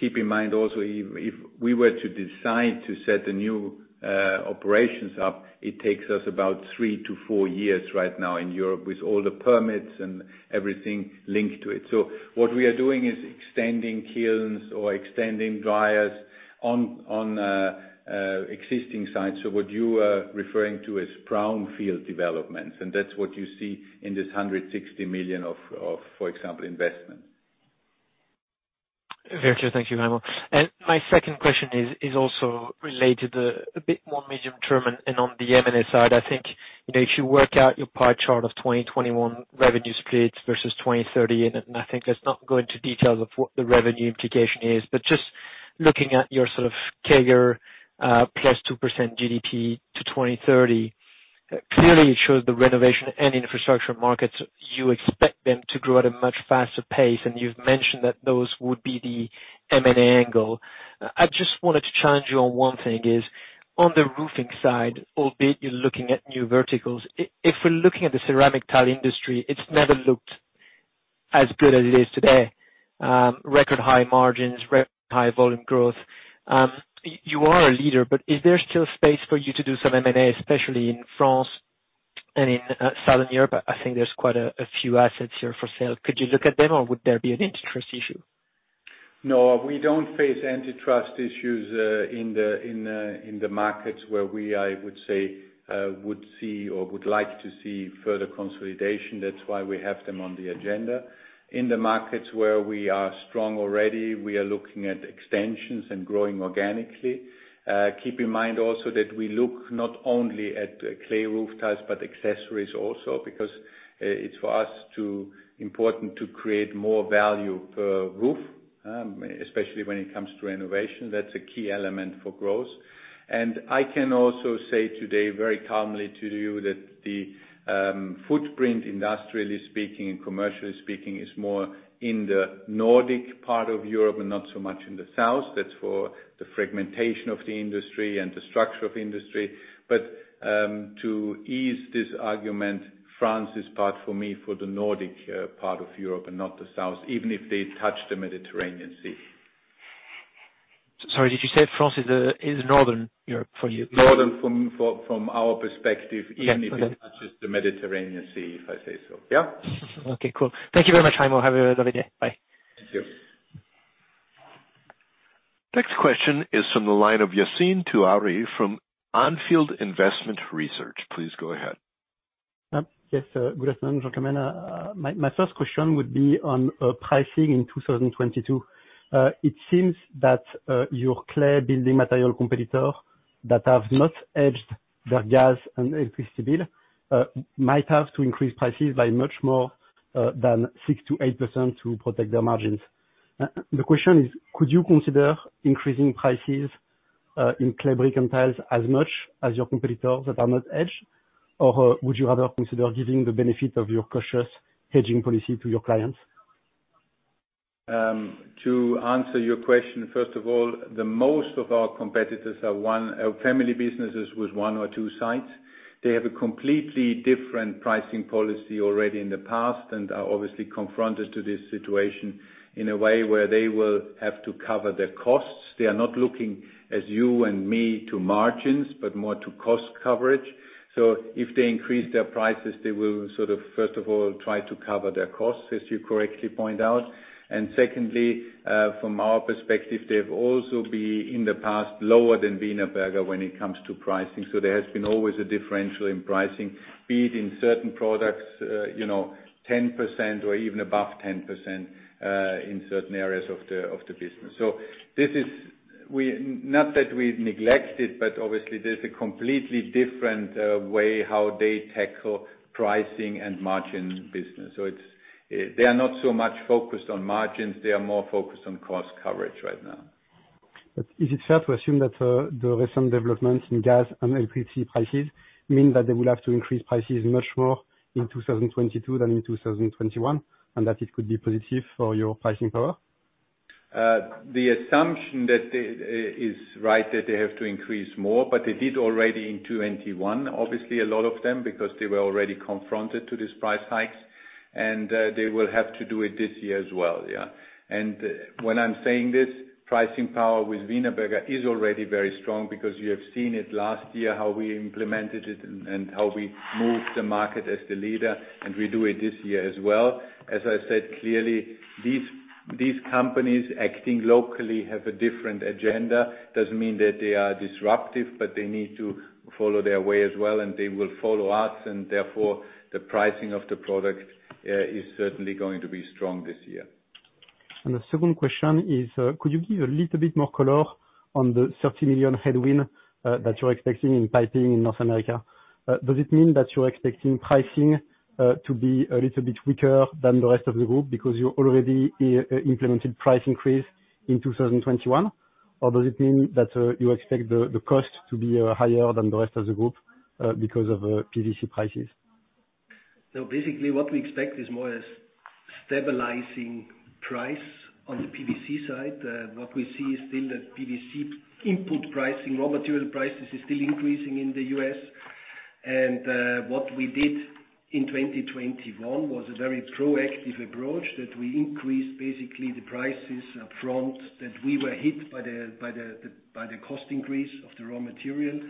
[SPEAKER 3] keep in mind also, Yves, if we were to decide to set the new operations up, it takes us about three to four years right now in Europe with all the permits and everything linked to it. What we are doing is extending kilns or extending dryers on existing sites. What you are referring to as brownfield developments, and that's what you see in this 160 million of, for example, investment.
[SPEAKER 6] Very clear. Thank you, Heimo. My second question is also related a bit more medium-term and on the M&A side. I think, you know, if you work out your pie chart of 2021 revenue splits versus 2030, and I think let's not go into details of what the revenue implication is, but just looking at your sort of CAGR, plus 2% GDP to 2030, clearly it shows the renovation and infrastructure markets you expect them to grow at a much faster pace, and you've mentioned that those would be the M&A angle. I just wanted to challenge you on one thing is, on the roofing side, albeit you're looking at new verticals, if we're looking at the ceramic tile industry, it's never looked as good as it is today. Record high margins, record high volume growth. You are a leader, but is there still space for you to do some M&A, especially in France? In Southern Europe, I think there's quite a few assets here for sale. Could you look at them or would there be an interest issue?
[SPEAKER 3] No, we don't face antitrust issues in the markets where we, I would say, would see or would like to see further consolidation. That's why we have them on the agenda. In the markets where we are strong already, we are looking at extensions and growing organically. Keep in mind also that we look not only at clay roof tiles, but accessories also because it's important to create more value per roof, especially when it comes to innovation. That's a key element for growth. I can also say today very calmly to you that the footprint, industrially speaking and commercially speaking, is more in the Nordic part of Europe and not so much in the south. That's for the fragmentation of the industry and the structure of industry. To ease this argument, France is part, for me, of the Nordic part of Europe and not the South, even if they touch the Mediterranean Sea.
[SPEAKER 6] Sorry, did you say France is Northern Europe for you?
[SPEAKER 3] Nothing from our perspective.
[SPEAKER 6] Okay.
[SPEAKER 3] even if it touches the Mediterranean Sea, if I say so, yeah.
[SPEAKER 6] Okay, cool. Thank you very much, Heimo. Have a lovely day. Bye.
[SPEAKER 3] Thank you.
[SPEAKER 1] Next question is from the line of Yassine Touahri from On Field Investment Research. Please go ahead.
[SPEAKER 7] Good afternoon, gentlemen. My first question would be on pricing in 2022. It seems that your clay building material competitors that have not hedged their gas and electricity bills might have to increase prices by much more than 6%-8% to protect their margins. The question is, could you consider increasing prices in clay brick and tiles as much as your competitors that are not hedged, or would you rather consider giving the benefit of your cautious hedging policy to your clients?
[SPEAKER 3] To answer your question, first of all, the most of our competitors are family businesses with one or two sites. They have a completely different pricing policy already in the past and are obviously confronted to this situation in a way where they will have to cover their costs. They are not looking, as you and me, to margins, but more to cost coverage. If they increase their prices, they will sort of first of all try to cover their costs, as you correctly point out. Secondly, from our perspective, they've also been, in the past, lower than Wienerberger when it comes to pricing. There has been always a differential in pricing, be it in certain products, you know, 10% or even above 10%, in certain areas of the business. Not that we neglect it, but obviously there's a completely different way how they tackle pricing and margin business. It's that they are not so much focused on margins. They are more focused on cost coverage right now.
[SPEAKER 7] Is it fair to assume that the recent developments in gas and electricity prices mean that they will have to increase prices much more in 2022 than in 2021, and that it could be positive for your pricing power?
[SPEAKER 3] The assumption is right that they have to increase more, but they did already in 2021, obviously a lot of them, because they were already confronted with these price hikes, and they will have to do it this year as well. When I'm saying this, pricing power with Wienerberger is already very strong because you have seen it last year, how we implemented it and how we moved the market as the leader, and we do it this year as well. As I said, clearly, these companies acting locally have a different agenda. It doesn't mean that they are disruptive, but they need to follow their way as well, and they will follow us, and therefore, the pricing of the product is certainly going to be strong this year.
[SPEAKER 7] The second question is, could you give a little bit more color on the 30 million headwind that you're expecting in piping in North America? Does it mean that you're expecting pricing to be a little bit weaker than the rest of the group because you already implemented price increase in 2021? Or does it mean that you expect the cost to be higher than the rest of the group because of PVC prices?
[SPEAKER 4] Basically what we expect is more or less stabilizing price on the PVC side. What we see is still that PVC input pricing, raw material prices, is still increasing in the U.S. What we did in 2021 was a very proactive approach, that we increased basically the prices upfront, that we were hit by the cost increase of the raw material.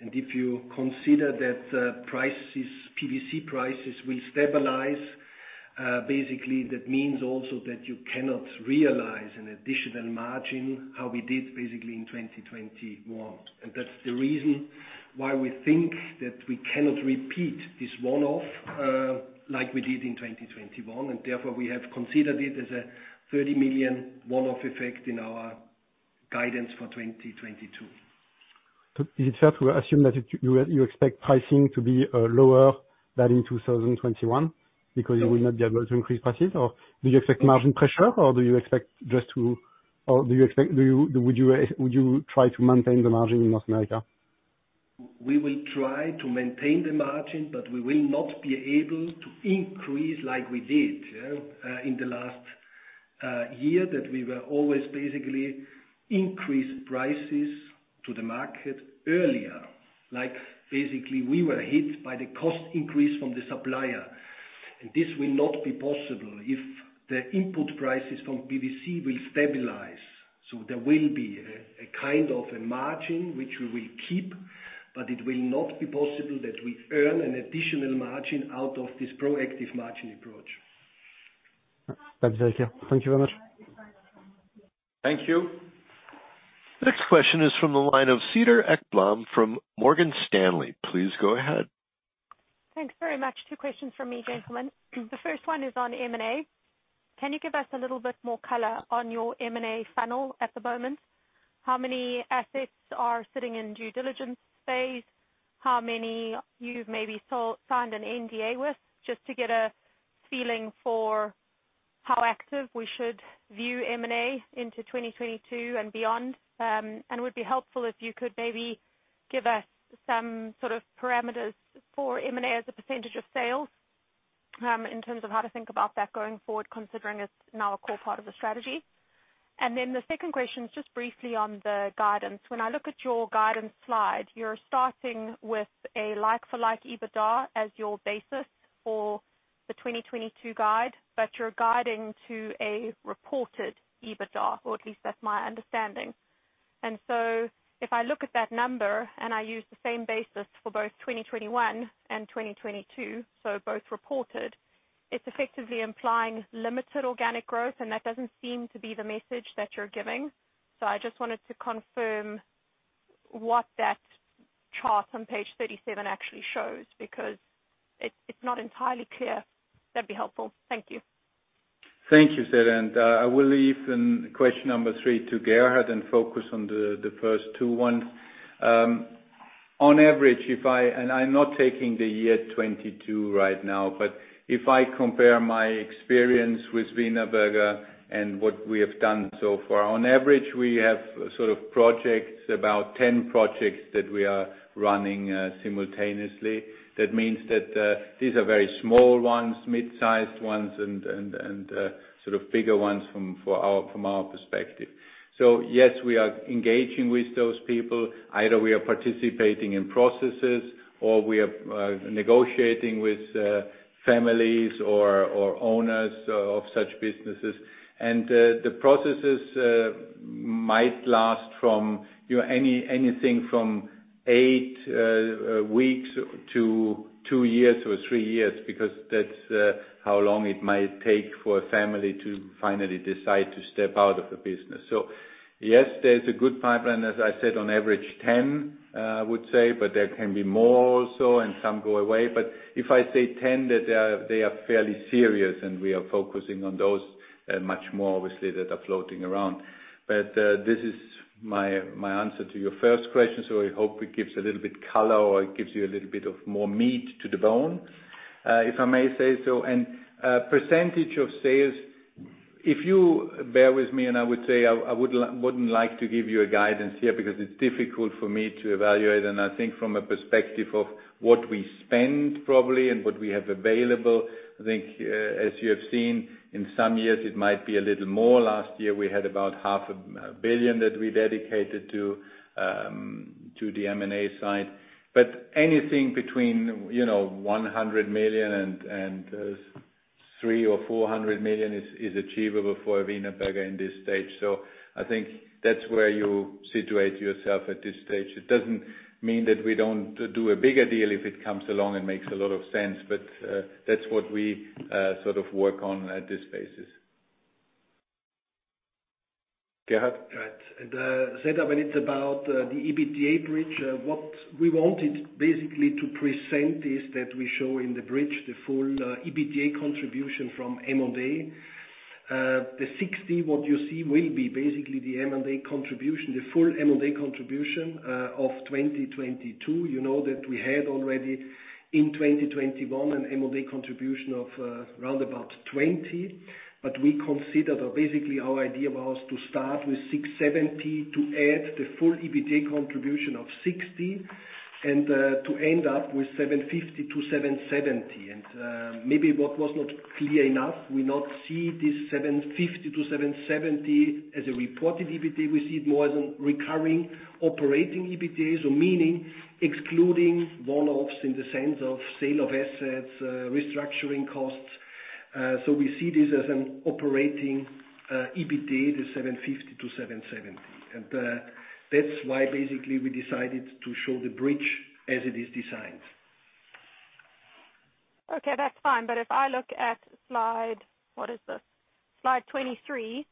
[SPEAKER 4] If you consider that prices, PVC prices will stabilize, basically that means also that you cannot realize an additional margin how we did basically in 2021. That's the reason why we think that we cannot repeat this one-off, like we did in 2021, and therefore we have considered it as a 30 million one-off effect in our guidance for 2022.
[SPEAKER 7] Is it fair to assume that you expect pricing to be lower than in 2021 because you will not be able to increase prices? Or do you expect margin pressure, or would you try to maintain the margin in North America?
[SPEAKER 4] We will try to maintain the margin, but we will not be able to increase like we did, yeah, in the last year, that we were always basically increase prices to the market earlier. Like basically we were hit by the cost increase from the supplier. This will not be possible if the input prices from PVC will stabilize. There will be a kind of margin which we will keep, but it will not be possible that we earn an additional margin out of this proactive margin approach.
[SPEAKER 7] That's okay. Thank you very much.
[SPEAKER 3] Thank you.
[SPEAKER 1] Next question is from the line of Cedar Ekblom from Morgan Stanley. Please go ahead.
[SPEAKER 8] Thanks very much. Two questions from me, gentlemen. The first one is on M&A. Can you give us a little bit more color on your M&A funnel at the moment? How many assets are sitting in due diligence phase? How many you've maybe signed an NDA with? Just to get a feeling for how active we should view M&A into 2022 and beyond. And it would be helpful if you could maybe give us some sort of parameters for M&A as a percentage of sales, in terms of how to think about that going forward, considering it's now a core part of the strategy. Then the second question is just briefly on the guidance. When I look at your guidance slide, you're starting with a like-for-like EBITDA as your basis for the 2022 guide, but you're guiding to a reported EBITDA, or at least that's my understanding. If I look at that number and I use the same basis for both 2021 and 2022, so both reported, it's effectively implying limited organic growth, and that doesn't seem to be the message that you're giving. I just wanted to confirm what that chart on page 37 actually shows, because it's not entirely clear. That'd be helpful. Thank you.
[SPEAKER 3] Thank you, Cedar. I will leave the question number three to Gerhard and focus on the first two. On average, I'm not taking the year 2022 right now, but if I compare my experience with Wienerberger and what we have done so far. On average, we have sort of projects, about 10 projects that we are running simultaneously. That means that these are very small ones, mid-sized ones, and sort of bigger ones from our perspective. Yes, we are engaging with those people. Either we are participating in processes or we are negotiating with families or owners of such businesses. The processes might last from, you know, anything from eight weeks to two years or three years, because that's how long it might take for a family to finally decide to step out of the business. Yes, there's a good pipeline. As I said, on average 10, I would say, but there can be more also and some go away. If I say 10, that they are fairly serious and we are focusing on those much more obviously that are floating around. This is my answer to your first question. I hope it gives a little bit color or it gives you a little bit of more meat to the bone, if I may say so. Percentage of sales, if you bear with me, and I would say I wouldn't like to give you a guidance here because it's difficult for me to evaluate. I think from a perspective of what we spend probably and what we have available, I think, as you have seen in some years, it might be a little more. Last year, we had about 0.5 billion That we dedicated to the M&A side. Anything between, you know, 100 million and 300 million or 400 million is achievable for Wienerberger in this stage. I think that's where you situate yourself at this stage. It doesn't mean that we don't do a bigger deal if it comes along and makes a lot of sense. That's what we sort of work on at this basis. Gerhard?
[SPEAKER 4] Right. Cedar, when it's about the EBITDA bridge, what we wanted basically to present is that we show in the bridge the full EBITDA contribution from M&A. The 60 what you see will be basically the M&A contribution, the full M&A contribution of 2022. You know that we had already in 2021 an M&A contribution of around 20. We considered or basically our idea was to start with 670 to add the full EBITDA contribution of 60 and to end up with 750-770. Maybe what was not clear enough, we do not see this 750-770 as a reported EBIT. We see it more as a recurring operating EBIT. Meaning excluding one-offs in the sense of sale of assets, restructuring costs. We see this as an operating EBIT, 750 million-770 million. That's why basically we decided to show the bridge as it is designed.
[SPEAKER 8] Okay, that's fine. If I look at slide—what is this? Slide 23,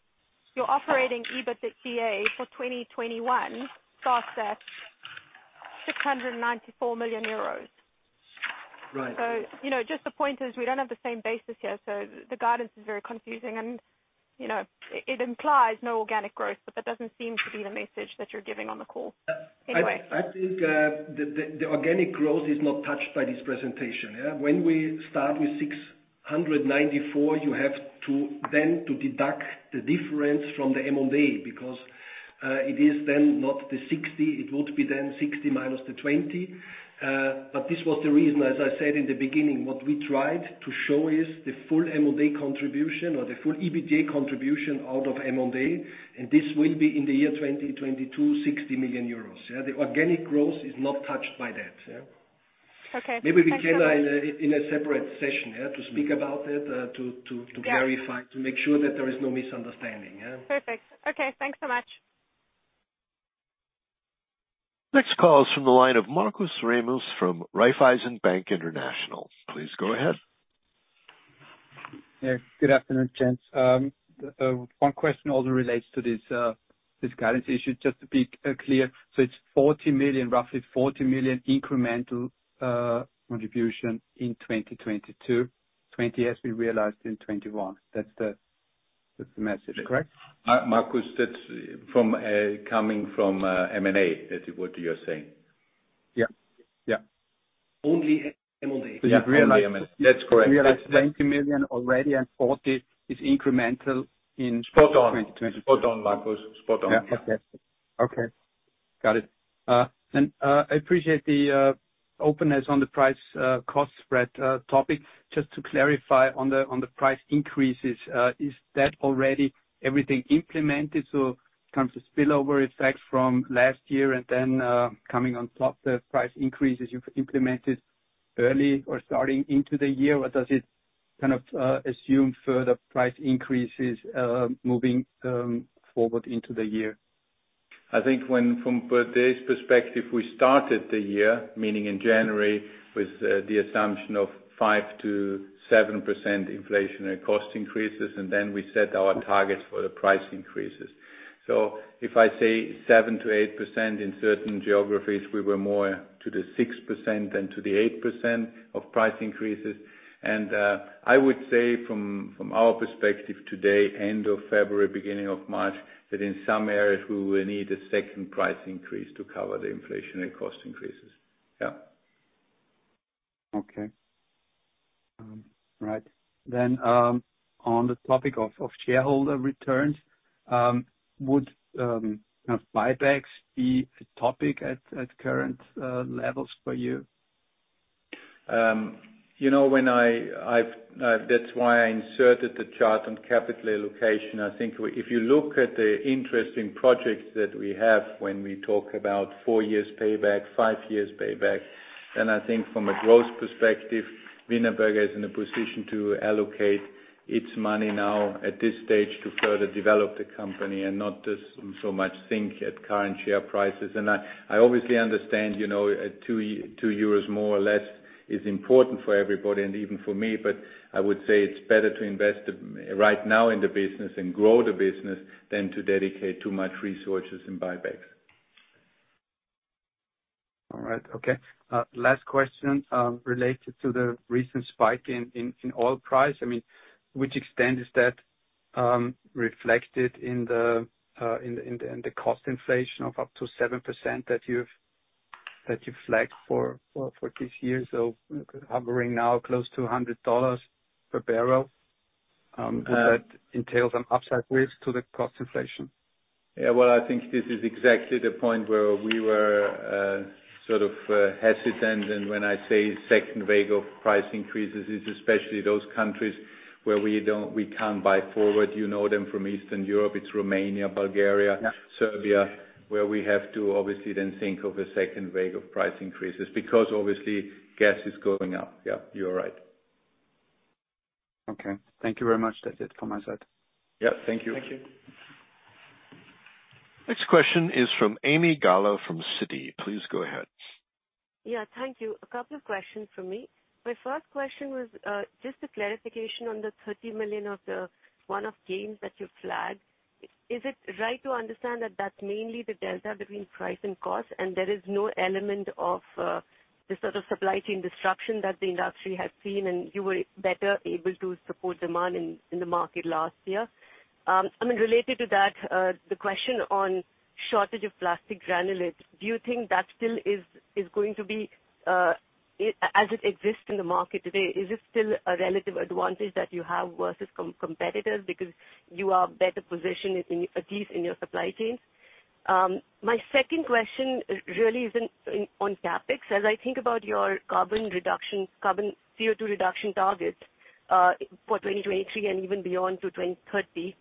[SPEAKER 8] your operating EBITDA for 2021 starts at 694 million euros.
[SPEAKER 4] Right.
[SPEAKER 8] You know, just the point is we don't have the same basis here, so the guidance is very confusing and, you know, it implies no organic growth, but that doesn't seem to be the message that you're giving on the call. Anyway.
[SPEAKER 4] I think the organic growth is not touched by this presentation, yeah. When we start with 694 million, you have to then deduct the difference from the M&A because it is then not the 60 million. It would be then 60million minus the 20. But this was the reason, as I said in the beginning, what we tried to show is the full M&A contribution or the full EBITDA contribution out of M&A, and this will be in the year 2022, 60 million euros, yeah. The organic growth is not touched by that, yeah.
[SPEAKER 8] Okay. Maybe we can, in a separate session, yeah, to speak about it.
[SPEAKER 9] Yeah
[SPEAKER 3] Verify, to make sure that there is no misunderstanding, yeah?
[SPEAKER 9] Perfect. Okay. Thanks so much.
[SPEAKER 1] Next call is from the line of Markus Remis from Raiffeisen Bank International. Please go ahead.
[SPEAKER 10] Yeah, good afternoon, gents. One question also relates to this guidance issue, just to be clear. It's 40 million, roughly 40 million incremental contribution in 2022, 20 million as we realized in 2021. That's the message, correct?
[SPEAKER 3] Markus, that's coming from M&A, is what you're saying?
[SPEAKER 10] Yeah. Yeah.
[SPEAKER 3] Only M&A.
[SPEAKER 10] You realize.
[SPEAKER 3] That's correct.
[SPEAKER 10] You realize 20 million already and 40 million is incremental in-
[SPEAKER 3] Spot on.
[SPEAKER 10] 2022.
[SPEAKER 3] Spot on, Marcus. Spot on.
[SPEAKER 10] Okay. Got it. I appreciate the openness on the price-cost spread topic. Just to clarify on the price increases, is that already everything implemented? Kind of the spillover effect from last year and then coming on top the price increases you've implemented early or starting into the year? Or does it kind of assume further price increases moving forward into the year?
[SPEAKER 3] I think from today's perspective, we started the year, meaning in January, with the assumption of 5%-7% inflationary cost increases, and then we set our targets for the price increases. If I say 7%-8% in certain geographies, we were more to the 6% than to the 8% of price increases. I would say from our perspective today, end of February, beginning of March, that in some areas we will need a second price increase to cover the inflationary cost increases. Yeah.
[SPEAKER 10] Okay. All right. On the topic of shareholder returns, would you know buybacks be a topic at current levels for you?
[SPEAKER 3] You know, when I've that's why I inserted the chart on capital allocation. I think if you look at the interesting projects that we have when we talk about four years payback, five years payback, then I think from a growth perspective, Wienerberger is in a position to allocate its money now at this stage to further develop the company and not just so much think at current share prices. I obviously understand, you know, at 2 million euros more or less is important for everybody and even for me, but I would say it's better to invest right now in the business and grow the business than to dedicate too much resources in buybacks.
[SPEAKER 10] All right. Okay. Last question related to the recent spike in oil price. I mean, to what extent is that reflected in the cost inflation of up to 7% that you've flagged for this year? Hovering now close to $100 per barrel.
[SPEAKER 3] Um-
[SPEAKER 10] Does that entail an upside risk to the cost inflation?
[SPEAKER 3] Yeah. Well, I think this is exactly the point where we were, sort of, hesitant. When I say second wave of price increases is especially those countries where we can't buy forward. You know them from Eastern Europe, it's Romania, Bulgaria, Serbia.
[SPEAKER 10] Yeah
[SPEAKER 3] Serbia, where we have to obviously then think of a second wave of price increases because obviously gas is going up. Yeah, you are right.
[SPEAKER 10] Okay. Thank you very much. That's it from my side.
[SPEAKER 3] Yeah. Thank you.
[SPEAKER 9] Thank you.
[SPEAKER 1] Next question is from Ami Galla from Citi. Please go ahead.
[SPEAKER 9] Yeah, thank you. A couple of questions from me. My first question was just a clarification on the 30 million of the one-off gains that you flagged. Is it right to understand that that's mainly the delta between price and cost, and there is no element of the sort of supply chain disruption that the industry had seen and you were better able to support demand in the market last year? I mean, related to that, the question on shortage of plastic granulates, do you think that still is going to be as it exists in the market today, is it still a relative advantage that you have versus competitors because you are better positioned in at least in your supply chains? My second question really is on CapEx. As I think about your carbon reduction, carbon CO2 reduction targets for 2023 and even beyond to 2030,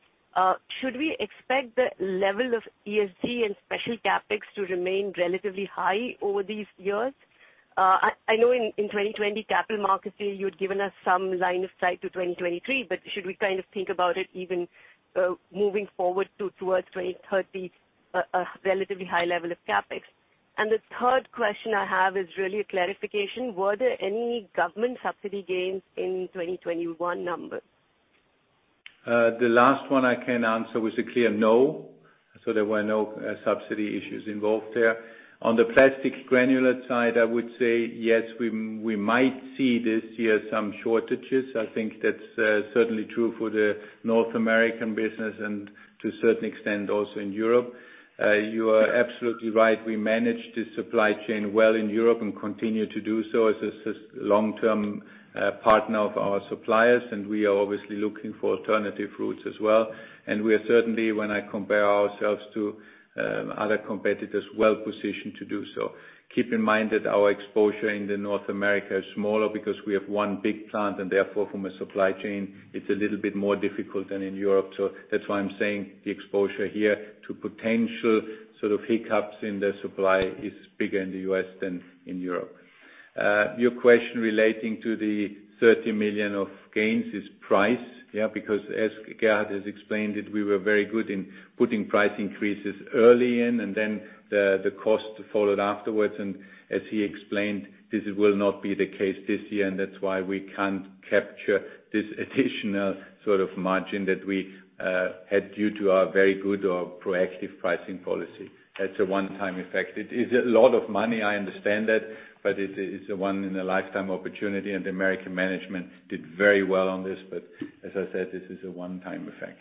[SPEAKER 9] should we expect the level of ESG and special CapEx to remain relatively high over these years? I know in 2020 Capital Markets Day, you'd given us some line of sight to 2023, but should we kind of think about it even moving forward towards 2030, a relatively high level of CapEx? The third question I have is really a clarification. Were there any government subsidy gains in 2021 numbers?
[SPEAKER 3] The last one I can answer with a clear no. There were no subsidy issues involved there. On the plastic granulate side, I would say, yes, we might see this year some shortages. I think that's certainly true for the North American business and to a certain extent also in Europe. You are absolutely right. We managed the supply chain well in Europe and continue to do so as a reliable long-term partner of our suppliers, and we are obviously looking for alternative routes as well. We are certainly, when I compare ourselves to other competitors, well positioned to do so. Keep in mind that our exposure in North America is smaller because we have one big plant and therefore from a supply chain it's a little bit more difficult than in Europe. That's why I'm saying the exposure here to potential sort of hiccups in the supply is bigger in the U.S. than in Europe. Your question relating to the 30 million of gains is price. Yeah, because as Gerhard has explained it, we were very good in putting price increases early in, and then the cost followed afterwards. As he explained, this will not be the case this year, and that's why we can't capture this additional sort of margin that we had due to our very good or proactive pricing policy. That's a one-time effect. It is a lot of money, I understand that, but it's a once in a lifetime opportunity and the American management did very well on this. As I said, this is a one-time effect.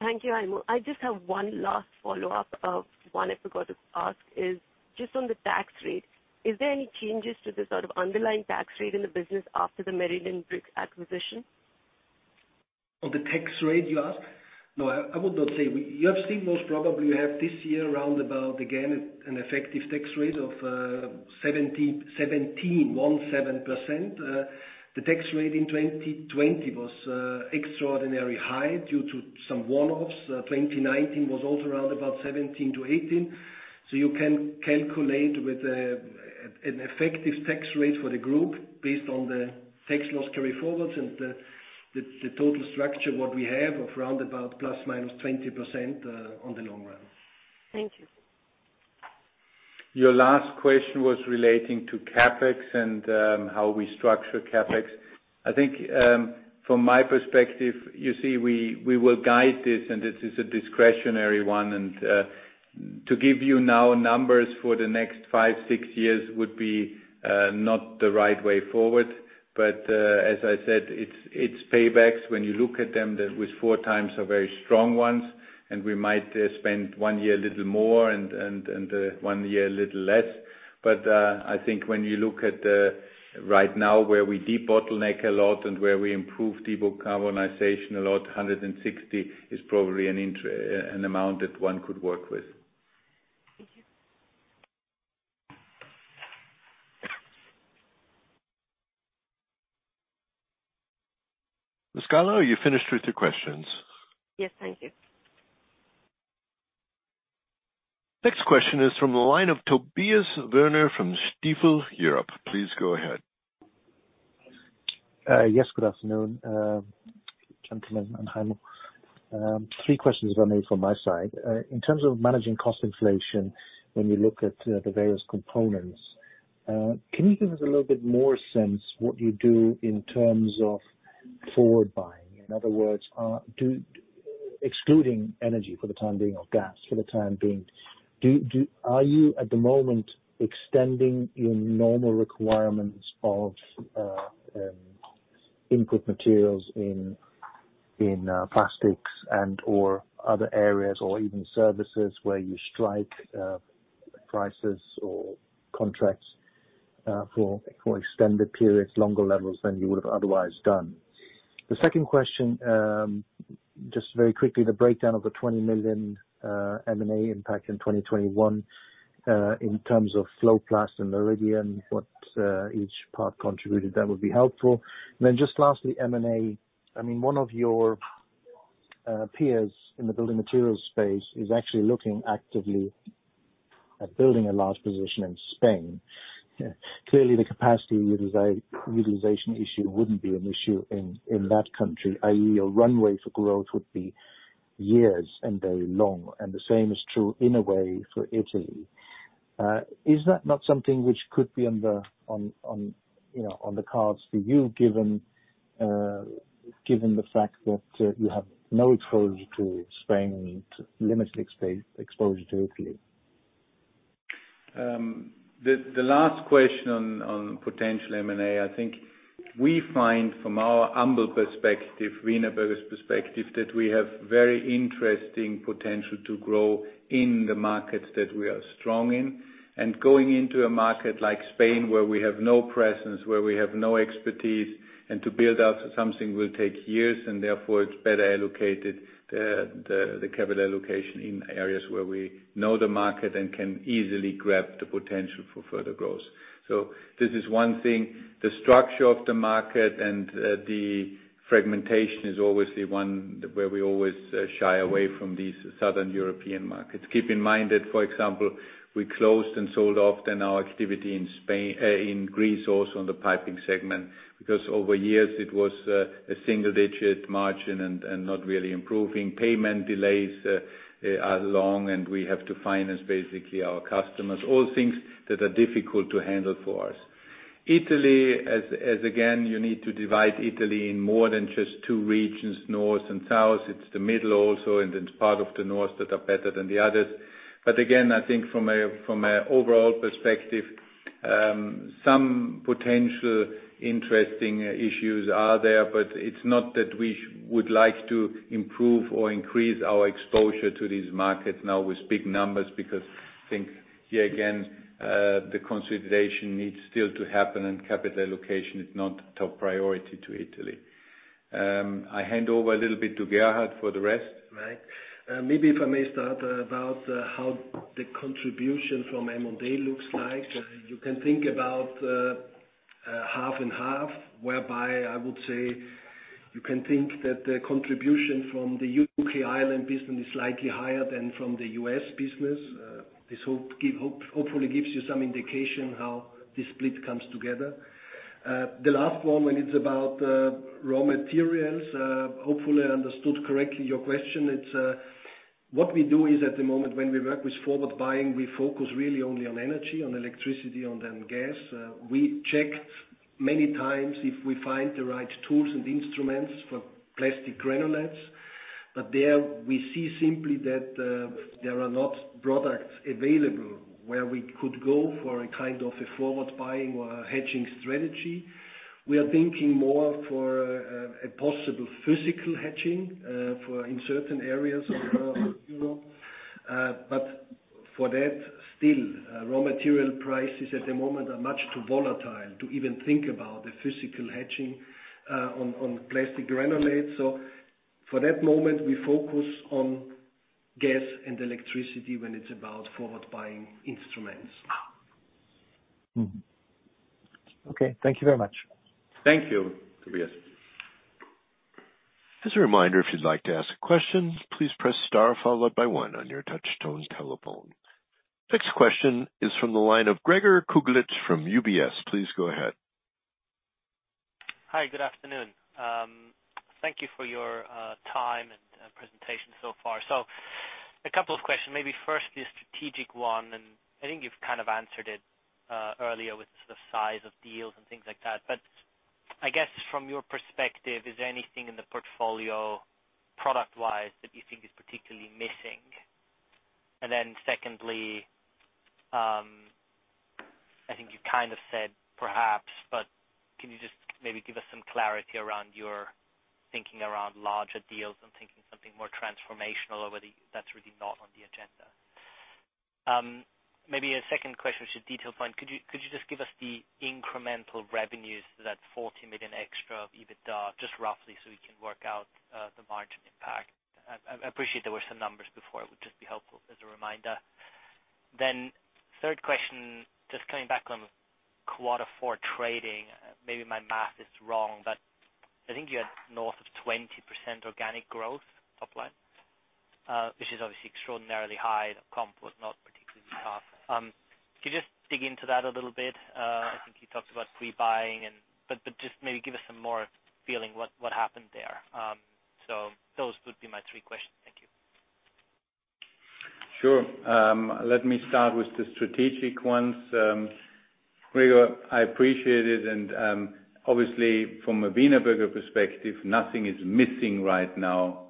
[SPEAKER 9] Thank you, Heimo. I just have one last follow-up of one I forgot to ask is just on the tax rate. Is there any changes to the sort of underlying tax rate in the business after the Meridian Brick acquisition?
[SPEAKER 4] On the tax rate you ask? No, I would not say. You have seen most probably we have this year around about again an effective tax rate of 17%. The tax rate in 2020 was extraordinarily high due to some one-offs. 2019 was also around about 17%-18%. You can calculate with an effective tax rate for the group based on the tax loss carry forwards and the total structure what we have of around ±20% in the long run.
[SPEAKER 9] Thank you.
[SPEAKER 3] Your last question was relating to CapEx and how we structure CapEx. I think from my perspective, you see, we will guide this, and it is a discretionary one. To give you now numbers for the next five-six years would be not the right way forward. As I said, it's paybacks. When you look at them, the ones with 4x are very strong ones, and we might spend one year a little more and one year a little less. I think when you look at right now where we debottleneck a lot and where we improve decarbonization a lot, 160 million is probably an amount that one could work with.
[SPEAKER 9] Thank you.
[SPEAKER 1] Mr. Gallo, are you finished with your questions?
[SPEAKER 9] Yes. Thank you.
[SPEAKER 1] Next question is from the line of Tobias Woerner from Stifel Europe. Please go ahead.
[SPEAKER 11] Yes. Good afternoon, gentlemen and Heimo. Three questions if I may from my side. In terms of managing cost inflation, when you look at the various components, can you give us a little bit more sense what you do in terms of forward buying? In other words, excluding energy for the time being or gas for the time being, are you at the moment extending your normal requirements of input materials in plastics and or other areas or even services where you strike prices or contracts for extended periods, longer levels than you would have otherwise done? The second question, just very quickly, the breakdown of the 20 million M&A impact in 2021, in terms of FloPlast and Meridian, what each part contributed, that would be helpful. Just lastly, M&A. I mean, one of your peers in the building materials space is actually looking actively at building a large position in Spain. Clearly, the capacity utilization issue wouldn't be an issue in that country, i.e. your runway for growth would be years and very long, and the same is true in a way for Italy. Is that not something which could be on the cards for you, given the fact that you have no exposure to Spain and limited exposure to Italy?
[SPEAKER 3] The last question on potential M&A, I think we find from our humble perspective, Wienerberger's perspective, that we have very interesting potential to grow in the markets that we are strong in. Going into a market like Spain, where we have no presence, where we have no expertise and to build up something will take years and therefore it's better allocated, the capital allocation in areas where we know the market and can easily grab the potential for further growth. This is one thing. The structure of the market and the fragmentation is always the one where we always shy away from these Southern European markets. Keep in mind that, for example, we closed and sold off then our activity in Spain, in Greece also on the piping segment. Because over years it was a single digit margin and not really improving. Payment delays are long, and we have to finance basically our customers, all things that are difficult to handle for us. Italy, as again, you need to divide Italy in more than just two regions, north and south. It's the middle also, and it's part of the north that are better than the others. But again, I think from a overall perspective, some potential interesting issues are there. But it's not that we would like to improve or increase our exposure to these markets now with big numbers because I think here again, the consolidation needs still to happen and capital allocation is not top priority to Italy. I hand over a little bit to Gerhard for the rest.
[SPEAKER 4] Right. Maybe if I may start about how the contribution from M&A looks like. You can think about
[SPEAKER 3] Half and half, whereby I would say you can think that the contribution from the U.K., Ireland business is slightly higher than from the U.S. business. Hopefully gives you some indication how this split comes together. The last one when it's about raw materials, hopefully I understood correctly your question. It's what we do is at the moment, when we work with forward buying, we focus really only on energy, on electricity, on then gas. We check many times if we find the right tools and instruments for plastic granulates. But there we see simply that there are not products available where we could go for a kind of a forward buying or a hedging strategy. We are thinking more for a possible physical hedging for in certain areas of raw material. for that still, raw material prices at the moment are much too volatile to even think about the physical hedging on plastic granulates. For that moment, we focus on gas and electricity when it's about forward buying instruments.
[SPEAKER 11] Okay. Thank you very much.
[SPEAKER 3] Thank you, Tobias.
[SPEAKER 1] As a reminder, if you'd like to ask a question, please press star followed by one on your touch tone telephone. Next question is from the line of Gregor Kuglitsch from UBS. Please go ahead.
[SPEAKER 12] Hi, good afternoon. Thank you for your time and presentation so far. A couple of questions. Maybe first the strategic one, and I think you've kind of answered it earlier with the size of deals and things like that. I guess from your perspective, is there anything in the portfolio product-wise that you think is particularly missing? Secondly, I think you kind of said perhaps, but can you just maybe give us some clarity around your thinking around larger deals and thinking something more transformational or whether that's really not on the agenda? Maybe a second question, which is detail point. Could you just give us the incremental revenues to that 40 million extra of EBITDA, just roughly so we can work out the margin impact? I appreciate there were some numbers before. It would just be helpful as a reminder. Third question, just coming back on quarter four trading. Maybe my math is wrong, but I think you had north of 20% organic growth top line, which is obviously extraordinarily high. The comp was not particularly tough. Could you just dig into that a little bit? I think you talked about pre-buying, but just maybe give us some more feeling what happened there. Those would be my three questions. Thank you.
[SPEAKER 3] Sure. Let me start with the strategic ones. Gregor, I appreciate it and, obviously from a Wienerberger perspective, nothing is missing right now.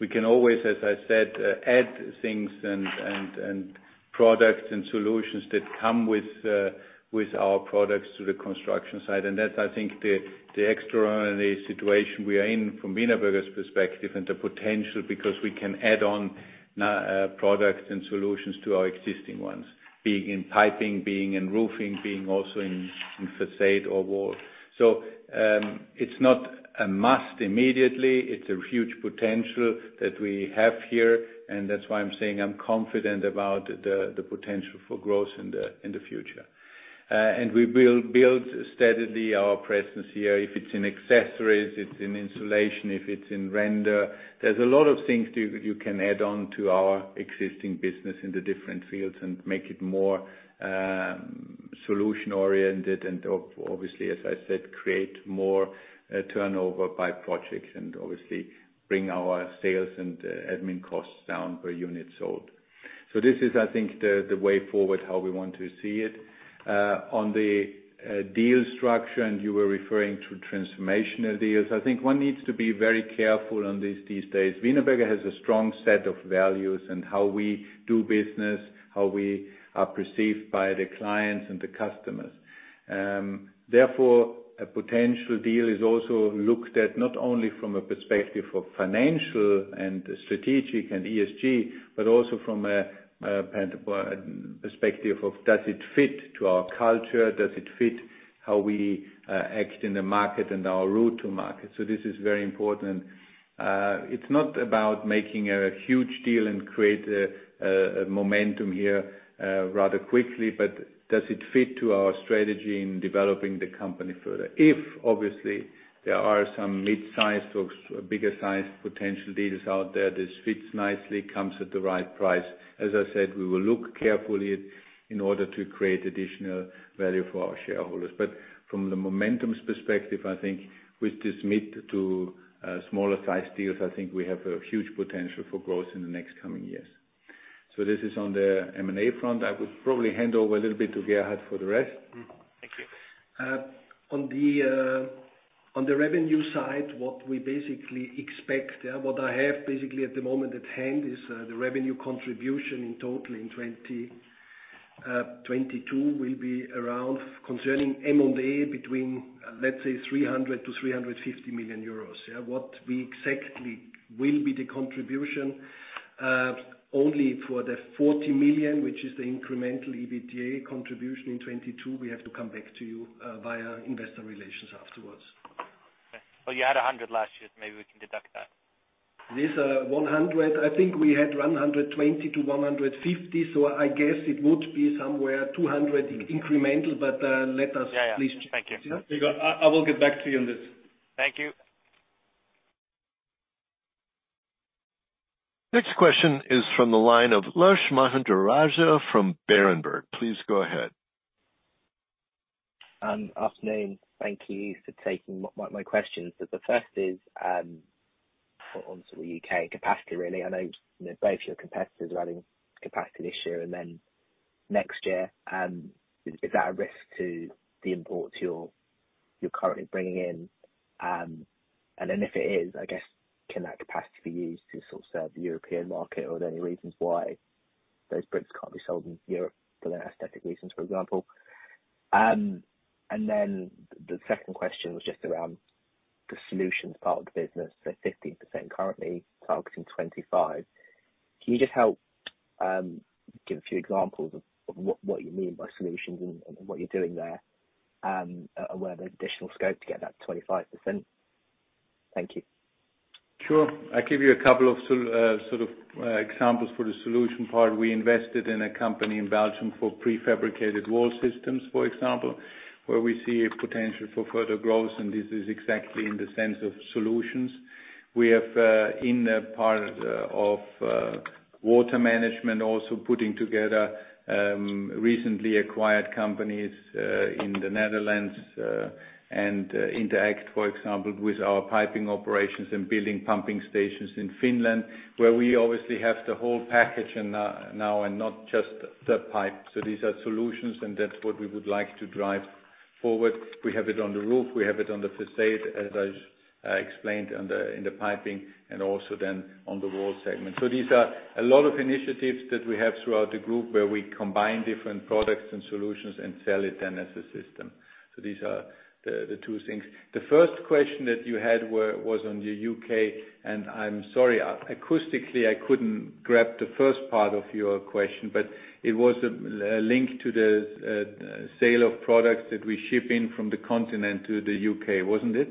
[SPEAKER 3] We can always, as I said, add things and products and solutions that come with our products to the construction side. That's I think the extraordinary situation we are in from Wienerberger's perspective and the potential, because we can add on products and solutions to our existing ones. Be it in piping, be it in roofing, being also in facade or wall. It's not a must immediately. It's a huge potential that we have here, and that's why I'm saying I'm confident about the potential for growth in the future. We will build steadily our presence here. If it's in accessories, it's in insulation, if it's in render. There's a lot of things you can add on to our existing business in the different fields and make it more solution-oriented and obviously, as I said, create more turnover by projects and obviously bring our sales and admin costs down per unit sold. This is I think the way forward, how we want to see it. On the deal structure, and you were referring to transformational deals. I think one needs to be very careful on this these days. Wienerberger has a strong set of values and how we do business, how we are perceived by the clients and the customers. Therefore, a potential deal is also looked at not only from a perspective of financial and strategic and ESG, but also from a perspective of does it fit to our culture? Does it fit how we act in the market and our route to market? This is very important. It's not about making a huge deal and create a momentum here rather quickly, but does it fit to our strategy in developing the company further? If obviously there are some mid-sized or bigger sized potential deals out there, this fits nicely, comes at the right price. As I said, we will look carefully in order to create additional value for our shareholders. From the momentum's perspective, I think with this mid to smaller sized deals, I think we have a huge potential for growth in the next coming years. This is on the M&A front. I would probably hand over a little bit to Gerhard for the rest.
[SPEAKER 12] Thank you.
[SPEAKER 4] On the revenue side, what we expect, what I have at the moment at hand is, the revenue contribution in total in 2022 will be around, concerning M&A, between, let's say, 300 million-350 million euros. Yeah. What the exact contribution will be, only for the 40 million, which is the incremental EBITDA contribution in 2022, we have to come back to you via Investor Relations afterwards.
[SPEAKER 12] Well, you had 100 last year, maybe we can deduct that.
[SPEAKER 3] I think we had 120 million-150 million. I guess it would be somewhere 200 million incremental, but
[SPEAKER 12] Yeah, yeah.
[SPEAKER 3] Let us at least.
[SPEAKER 12] Thank you.
[SPEAKER 3] I will get back to you on this.
[SPEAKER 12] Thank you.
[SPEAKER 1] Next question is from the line of Lasantha Mahindrarajah from Berenberg. Please go ahead.
[SPEAKER 13] Afternoon. Thank you for taking my questions. The first is on sort of U.K. capacity, really. I know, you know, both of your competitors are having capacity this year and then next year. Is that a risk to the imports you're currently bringing in? Then if it is, I guess, can that capacity be used to sort of serve the European market? Or are there any reasons why those bricks can't be sold in Europe for aesthetic reasons, for example? Then the second question was just around the solutions part of the business. 15% currently, targeting 25%. Can you just help give a few examples of what you mean by solutions and what you're doing there and where there's additional scope to get that 25%? Thank you.
[SPEAKER 3] Sure. I'll give you a couple of sort of examples for the solution part. We invested in a company in Belgium for prefabricated wall systems, for example, where we see a potential for further growth, and this is exactly in the sense of solutions. We have in the part of water management also putting together recently acquired companies in the Netherlands and interact, for example, with our piping operations and building pumping stations in Finland, where we obviously have the whole package and now and not just the pipe. These are solutions and that's what we would like to drive forward. We have it on the roof, we have it on the façade, as I explained in the piping and also then on the wall segment. These are a lot of initiatives that we have throughout the group where we combine different products and solutions and sell it then as a system. These are the two things. The first question that you had was on the U.K., and I'm sorry, acoustically, I couldn't grab the first part of your question, but it was a link to the sale of products that we ship in from the continent to the U.K., wasn't it?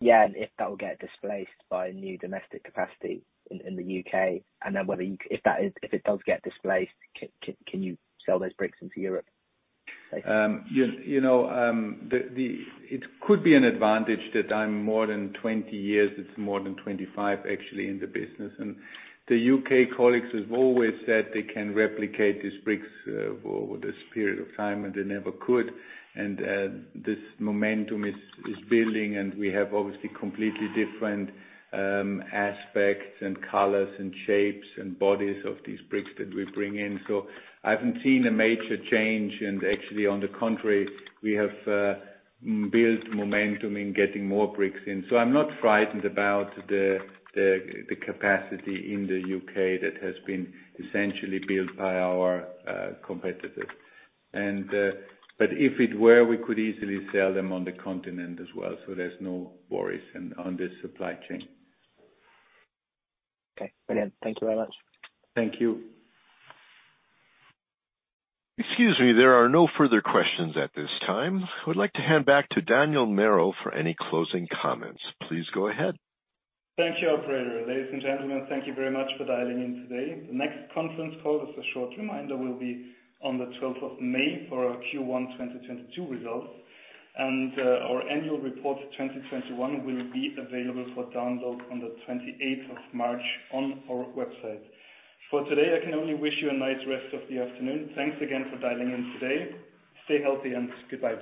[SPEAKER 13] Yeah. If that will get displaced by new domestic capacity in the U.K., and then if it does get displaced, can you sell those bricks into Europe?
[SPEAKER 3] It could be an advantage that I'm more than 20 years, it's more than 25 actually in the business. The U.K. colleagues have always said they can replicate these bricks over this period of time, and they never could. This momentum is building, and we have obviously completely different aspects and colors and shapes and bodies of these bricks that we bring in. I haven't seen a major change. Actually, on the contrary, we have built momentum in getting more bricks in. I'm not frightened about the capacity in the U.K. that has been essentially built by our competitors. If it were, we could easily sell them on the continent as well. There's no worries on this supply chain.
[SPEAKER 13] Okay. Brilliant. Thank you very much.
[SPEAKER 3] Thank you.
[SPEAKER 1] Excuse me. There are no further questions at this time. I would like to hand back to Daniel Merl for any closing comments. Please go ahead.
[SPEAKER 2] Thank you, operator. Ladies and gentlemen, thank you very much for dialing in today. The next conference call, as a short reminder, will be on the twelfth of May for our Q1 2022 results. Our annual report 2021 will be available for download on the twenty-eighth of March on our website. For today, I can only wish you a nice rest of the afternoon. Thanks again for dialing in today. Stay healthy and goodbye.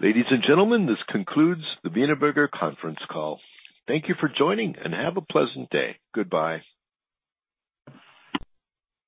[SPEAKER 1] Ladies and gentlemen, this concludes the Wienerberger conference call. Thank you for joining, and have a pleasant day. Goodbye.